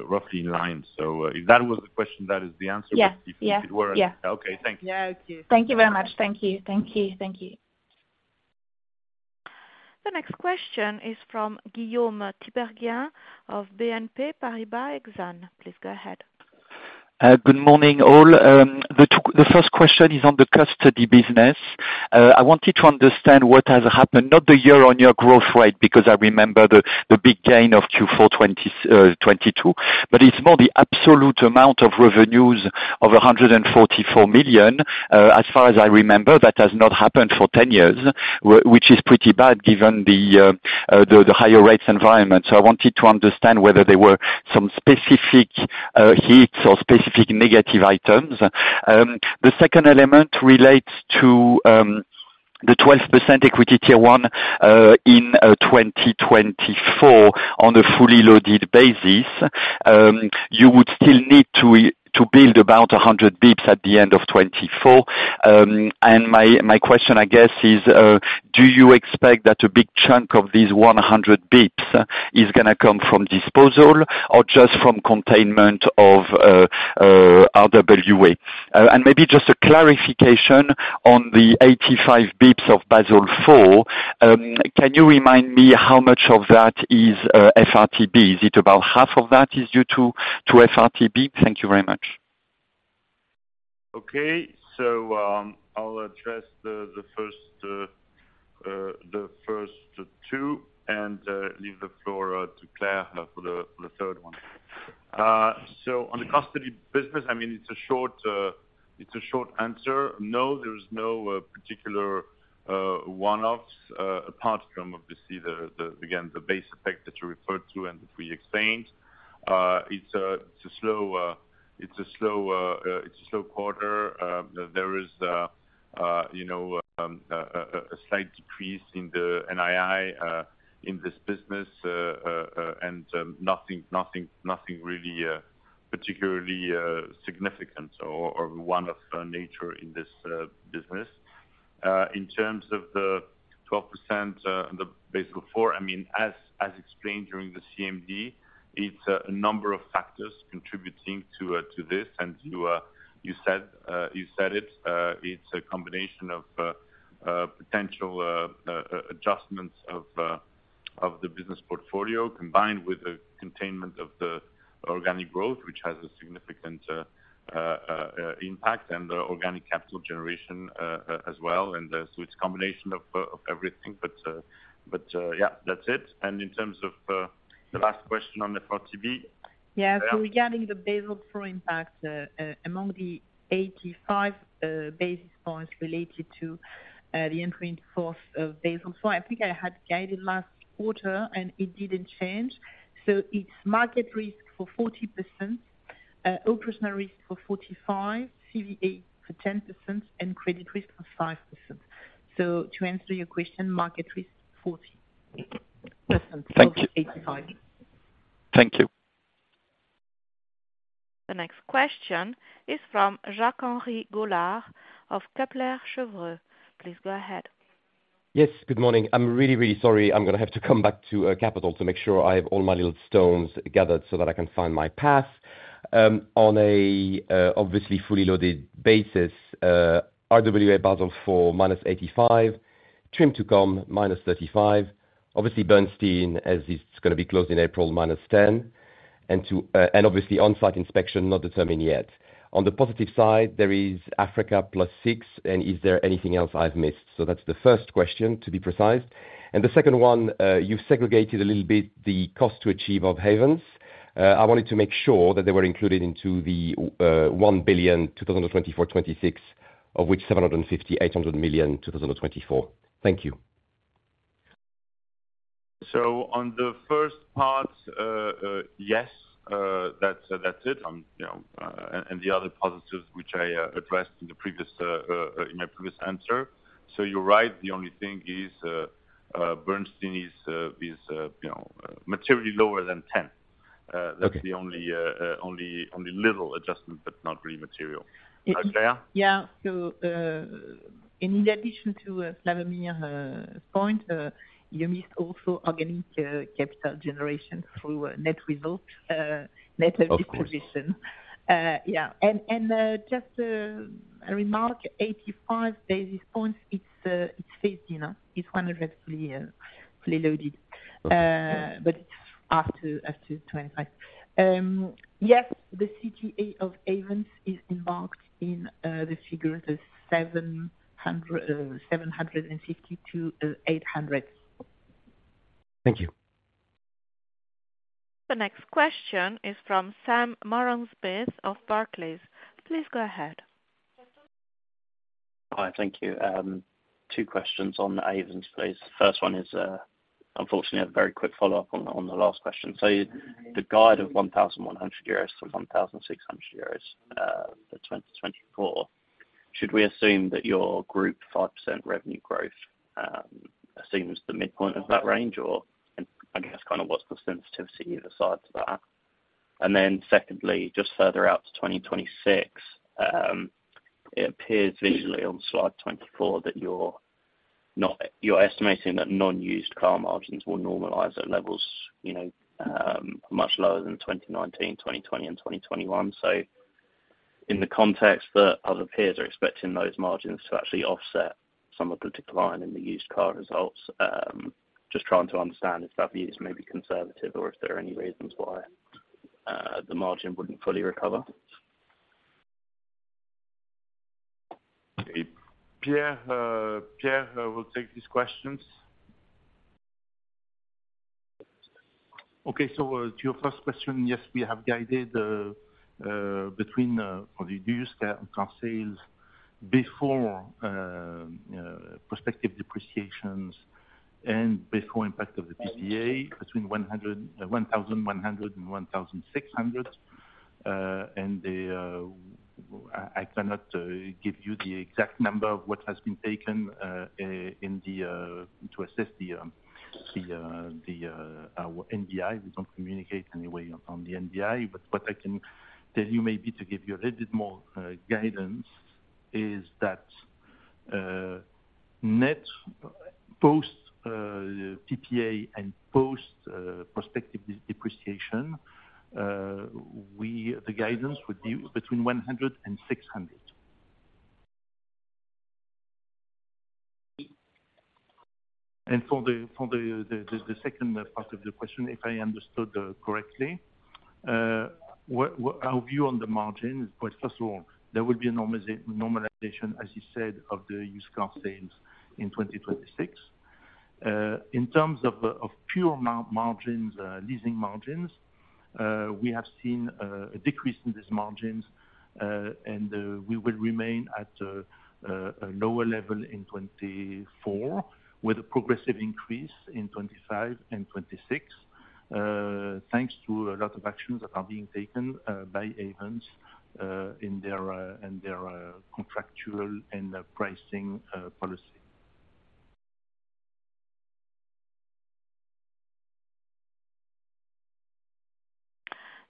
Speaker 2: roughly in line. So if that was the question, that is the answer.
Speaker 10: Yeah. Yeah.
Speaker 2: Okay, thank you.
Speaker 3: Yeah, okay.
Speaker 10: Thank you very much. Thank you. Thank you. Thank you.
Speaker 1: The next question is from Guillaume Tiberghien of BNP Paribas Exane. Please go ahead.
Speaker 11: Good morning, all. The first question is on the custody business. I wanted to understand what has happened, not the year-on-year growth rate, because I remember the big gain of Q4 2022. But it's more the absolute amount of revenues of 144 million. As far as I remember, that has not happened for 10 years, which is pretty bad given the higher rates environment. So I wanted to understand whether there were some specific hits or specific negative items. The second element relates to the 12% Equity Tier One in 2024 on a fully loaded basis. You would still need to build about 100 basis points at the end of 2024. And my question, I guess, is, do you expect that a big chunk of these 100 basis points is gonna come from disposal or just from containment of RWA? And maybe just a clarification on the 85 basis points of Basel IV. Can you remind me how much of that is FRTB? Is it about half of that due to FRTB? Thank you very much.
Speaker 2: Okay. So, I'll address the first two and leave the floor to Claire for the third one. So on the custody business, I mean, it's a short answer. No, there's no particular one-offs apart from obviously the again the base effect that you referred to and that we explained. It's a slow quarter. There is you know a slight decrease in the NII in this business. And nothing really particularly significant or one-off nature in this business. In terms of the 12%, the Basel IV, I mean, as explained during the CMD, it's a number of factors contributing to this. And you said it, it's a combination of potential adjustments of the business portfolio, combined with the containment of the organic growth, which has a significant impact, and the organic capital generation as well. And so it's a combination of everything. But yeah, that's it. And in terms of the last question on the FRTB?
Speaker 3: Yeah. So regarding the Basel IV impact, among the 85 basis points related to the entry into force of Basel IV, I think I had guided last quarter, and it didn't change. So it's market risk for 40%, operational risk for 45%, CVA for 10%, and credit risk for 5%. So to answer your question, market risk, 40%-
Speaker 11: Thank you.
Speaker 3: Of the 85.
Speaker 11: Thank you.
Speaker 1: The next question is from Jacques-Henri Gaulard of Kepler Cheuvreux. Please go ahead.
Speaker 12: Yes, good morning. I'm really, really sorry. I'm gonna have to come back to capital to make sure I have all my little stones gathered so that I can find my path. On a obviously fully loaded basis, RWA Basel IV -85, TRIM to come, -35. Obviously, Bernstein, as it's gonna be closed in April, -10, and obviously on-site inspection, not determined yet. On the positive side, there is Africa +6, and is there anything else I've missed? So that's the first question, to be precise. And the second one, you've segregated a little bit, the cost to achieve of Ayvens. I wanted to make sure that they were included into the 1 billion 2024-26, of which 750-800 million 2024. Thank you.
Speaker 2: So on the first part, yes, that's, that's it. You know, and, and the other positives, which I addressed in the previous, in my previous answer. So you're right, the only thing is, Bernstein is, is, you know, materially lower than 10.
Speaker 12: Okay.
Speaker 2: That's the only little adjustment, but not really material. Andrea?
Speaker 13: Yeah. So, in addition to, Slawomir's point, you missed also organic, capital generation through net result, net acquisition.
Speaker 12: Of course.
Speaker 13: Yeah, and just a remark, 85 basis points. It's phased, you know. It's 100 fully loaded.
Speaker 12: Okay.
Speaker 13: But it's up to 25. Yes, the CTA of Ayvens is embarked in the figures of 750-800.
Speaker 12: Thank you.
Speaker 1: The next question is from Sam Moran-Smyth of Barclays. Please go ahead.
Speaker 14: Hi, thank you. Two questions on the Ayvens, please. First one is, unfortunately, a very quick follow-up on the, on the last question. The guide of 1,100-1,600 euros for 2024, should we assume that your group 5% revenue growth assumes the midpoint of that range? Or, and I guess kind of what's the sensitivity either side to that? Secondly, just further out to 2026, it appears visually on slide 24, that you're not—you're estimating that used car margins will normalize at levels much lower than 2019, 2020 and 2021. In the context that other peers are expecting those margins to actually offset some of the decline in the used car results, just trying to understand if that view is maybe conservative, or if there are any reasons why the margin wouldn't fully recover?
Speaker 2: Pierre, Pierre, will take these questions.
Speaker 15: Okay, so, to your first question, yes, we have guided between for the used car sales before prospective depreciations and before impact of the PPA, between 1,100 and 1,600. And I cannot give you the exact number of what has been taken in to assess our NBI. We don't communicate anyway on the NBI, but what I can tell you, maybe to give you a little bit more guidance, is that net post PPA and post prospective depreciation, the guidance would be between 100 and 600. And for the second part of the question, if I understood correctly what... Our view on the margin, but first of all, there will be a normalization, as you said, of the used car sales in 2026. In terms of pure margins, leasing margins, we have seen a decrease in this margin....
Speaker 16: and we will remain at a lower level in 2024, with a progressive increase in 2025 and 2026, thanks to a lot of actions that are being taken by Ayvens in their contractual and pricing policy.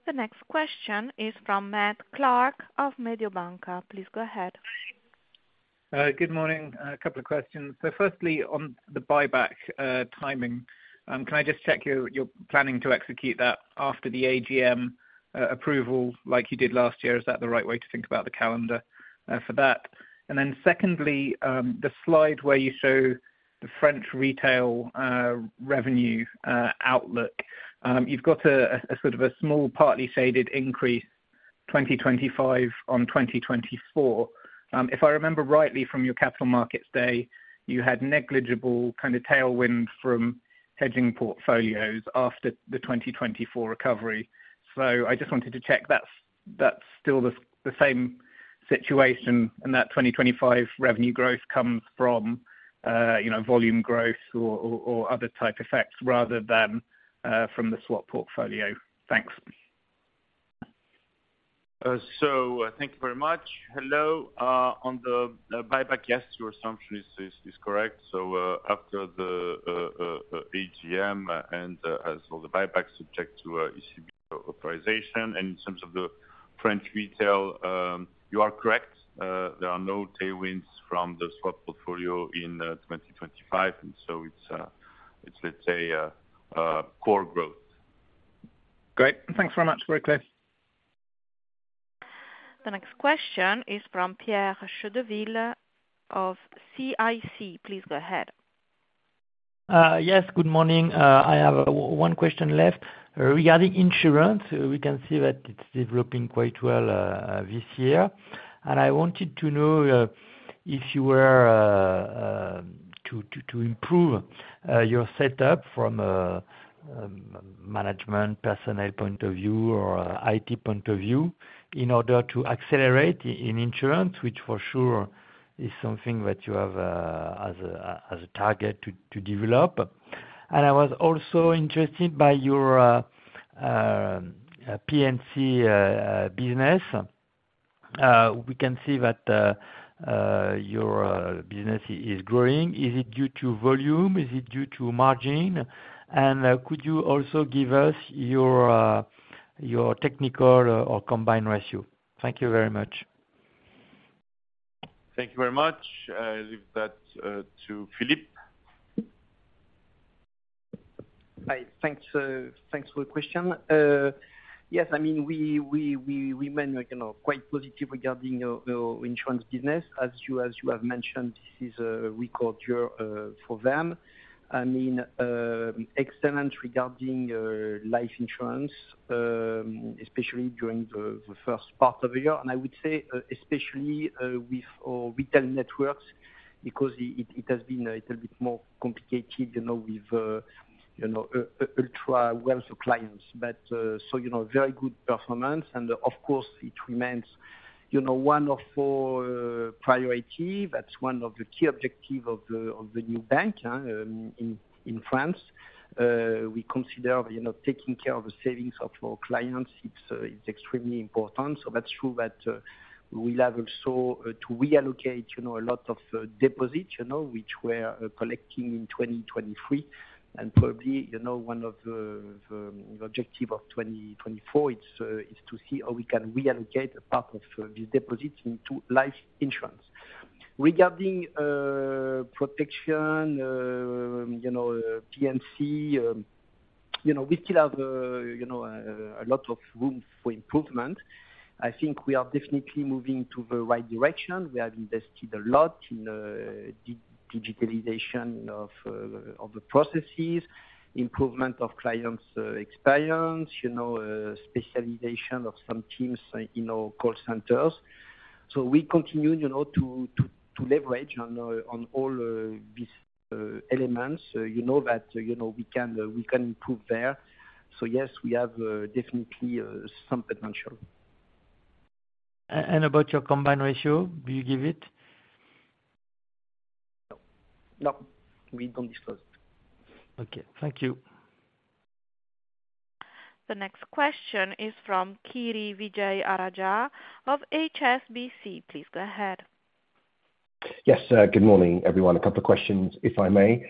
Speaker 1: The next question is from Matt Clark of Mediobanca. Please go ahead.
Speaker 17: Good morning. A couple of questions. So firstly, on the buyback, timing, can I just check, you're planning to execute that after the AGM approval like you did last year? Is that the right way to think about the calendar for that? And then secondly, the slide where you show the French retail revenue outlook. You've got a sort of a small, partly shaded increase, 2025, on 2024. If I remember rightly from your capital markets day, you had negligible kind of tailwind from hedging portfolios after the 2024 recovery. So I just wanted to check that's still the same situation, and that 2025 revenue growth comes from, you know, volume growth or other type effects, rather than from the swap portfolio. Thanks.
Speaker 2: So thank you very much. Hello, on the buyback, yes, your assumption is correct. So, after the AGM, and as all the buyback subject to ECB authorization, and in terms of the French retail, you are correct. There are no tailwinds from the swap portfolio in 2025, and so it's let's say core growth.
Speaker 17: Great. Thanks very much. Very clear.
Speaker 1: The next question is from Pierre Chedeville of CIC. Please go ahead.
Speaker 16: Yes, good morning. I have one question left. Regarding insurance, we can see that it's developing quite well this year. I wanted to know if you were to improve your setup from a management personnel point of view, or IT point of view, in order to accelerate in insurance, which for sure is something that you have as a target to develop. I was also interested by your P&C business. We can see that your business is growing. Is it due to volume? Is it due to margin? And could you also give us your technical or combined ratio? Thank you very much.
Speaker 2: Thank you very much. I'll leave that to Philippe.
Speaker 9: Hi. Thanks, thanks for the question. Yes, I mean, we remain, you know, quite positive regarding our insurance business. As you have mentioned, this is a record year for them. I mean, excellent regarding life insurance, especially during the first part of the year. And I would say, especially with our retail networks, because it has been a little bit more complicated, you know, with you know, ultra wealthy clients. But so, you know, very good performance, and of course, it remains, you know, one of our priority. That's one of the key objective of the new bank in France. We consider, you know, taking care of the savings of our clients, it's extremely important. So that's true that we will have also to reallocate, you know, a lot of deposits, you know, which we're collecting in 2023. And probably, you know, one of the objective of 2024, it's is to see how we can reallocate a part of the deposits into life insurance. Regarding protection, you know, P&C, you know, we still have, you know, a lot of room for improvement. I think we are definitely moving to the right direction. We have invested a lot in digitalization of of the processes, improvement of clients' experience, you know, specialization of some teams in our call centers. So we continue, you know, to to to leverage on on all these elements. You know that, you know, we can we can improve there. So yes, we have definitely some potential.
Speaker 16: About your combined ratio, do you give it?
Speaker 9: No. No, we don't disclose it.
Speaker 16: Okay, thank you.
Speaker 1: The next question is from Kiri Vijayarajah of HSBC. Please go ahead.
Speaker 18: Yes, good morning, everyone. A couple of questions, if I may.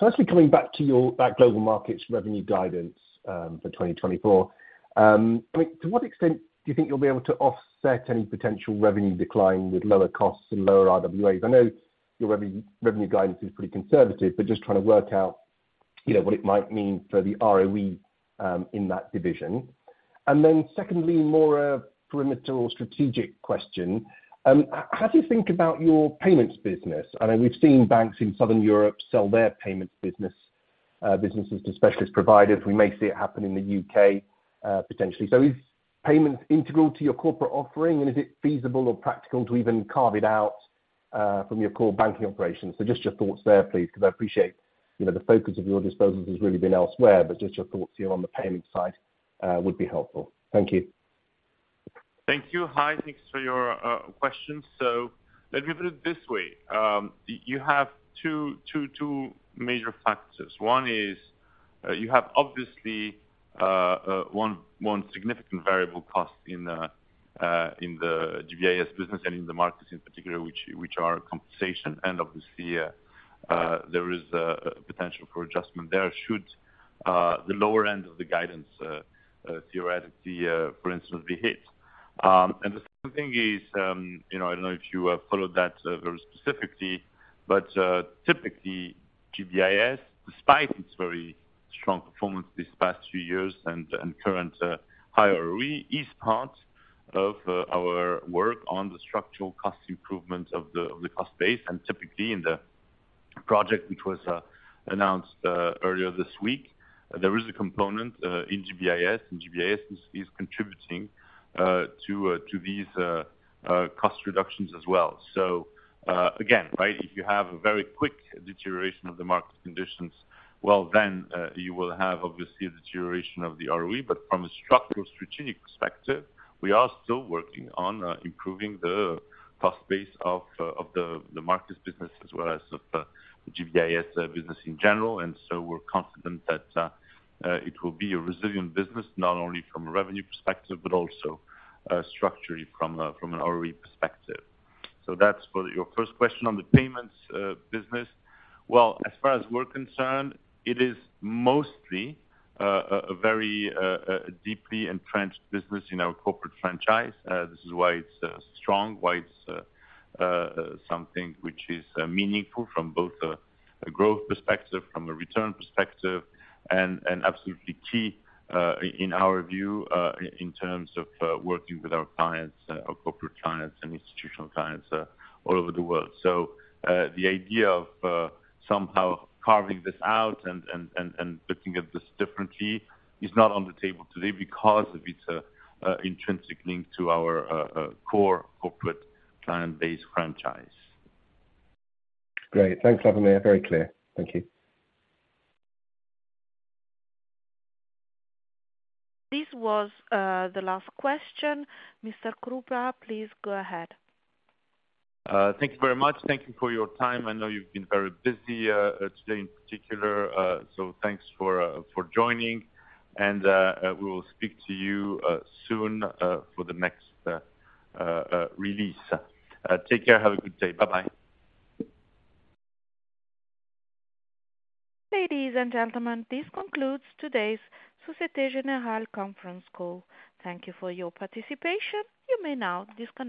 Speaker 18: Firstly, coming back to your global markets revenue guidance for 2024. I mean, to what extent do you think you'll be able to offset any potential revenue decline with lower costs and lower RWAs? I know your revenue guidance is pretty conservative, but just trying to work out, you know, what it might mean for the ROE in that division. And then secondly, more a perimeter or strategic question, how do you think about your payments business? I know we've seen banks in Southern Europe sell their payments businesses to specialist providers. We may see it happen in the UK, potentially. So is payments integral to your corporate offering, and is it feasible or practical to even carve it out from your core banking operations? So just your thoughts there, please, because I appreciate, you know, the focus of your disposal has really been elsewhere, but just your thoughts here on the payment side, would be helpful. Thank you.
Speaker 2: Thank you. Hi, thanks for your question. So let me put it this way, you have two major factors. One is, you have obviously one significant variable cost in the GBIS business and in the markets in particular, which are compensation. And obviously, there is a potential for adjustment there should the lower end of the guidance theoretically, for instance, be hit. And the second thing is, you know, I don't know if you followed that very specifically, but typically GBIS, despite its very strong performance this past few years and current higher ROE, is part of our work on the structural cost improvement of the cost base. Typically in the project, which was announced earlier this week, there is a component in GBIS, and GBIS is contributing to these cost reductions as well. So, again, right, if you have a very quick deterioration of the market conditions, well, then you will have obviously a deterioration of the ROE. But from a structural strategic perspective, we are still working on improving the cost base of the markets business, as well as of the GBIS business in general. And so we're confident that it will be a resilient business, not only from a revenue perspective, but also structurally from an ROE perspective. So that's for your first question on the payments business. Well, as far as we're concerned, it is mostly a very deeply entrenched business in our corporate franchise. This is why it's strong, why it's something which is meaningful from both a growth perspective, from a return perspective, and absolutely key in our view in terms of working with our clients, our corporate clients and institutional clients all over the world. So, the idea of somehow carving this out and looking at this differently is not on the table today because of its intrinsic link to our core corporate client base franchise.
Speaker 18: Great. Thanks, Slawomir. Very clear. Thank you.
Speaker 1: This was the last question. Mr. Krupa, please go ahead.
Speaker 2: Thank you very much. Thank you for your time. I know you've been very busy, today in particular, so thanks for joining, and we will speak to you soon for the next release. Take care. Have a good day. Bye-bye.
Speaker 1: Ladies and gentlemen, this concludes today's Société Générale conference call. Thank you for your participation. You may now disconnect.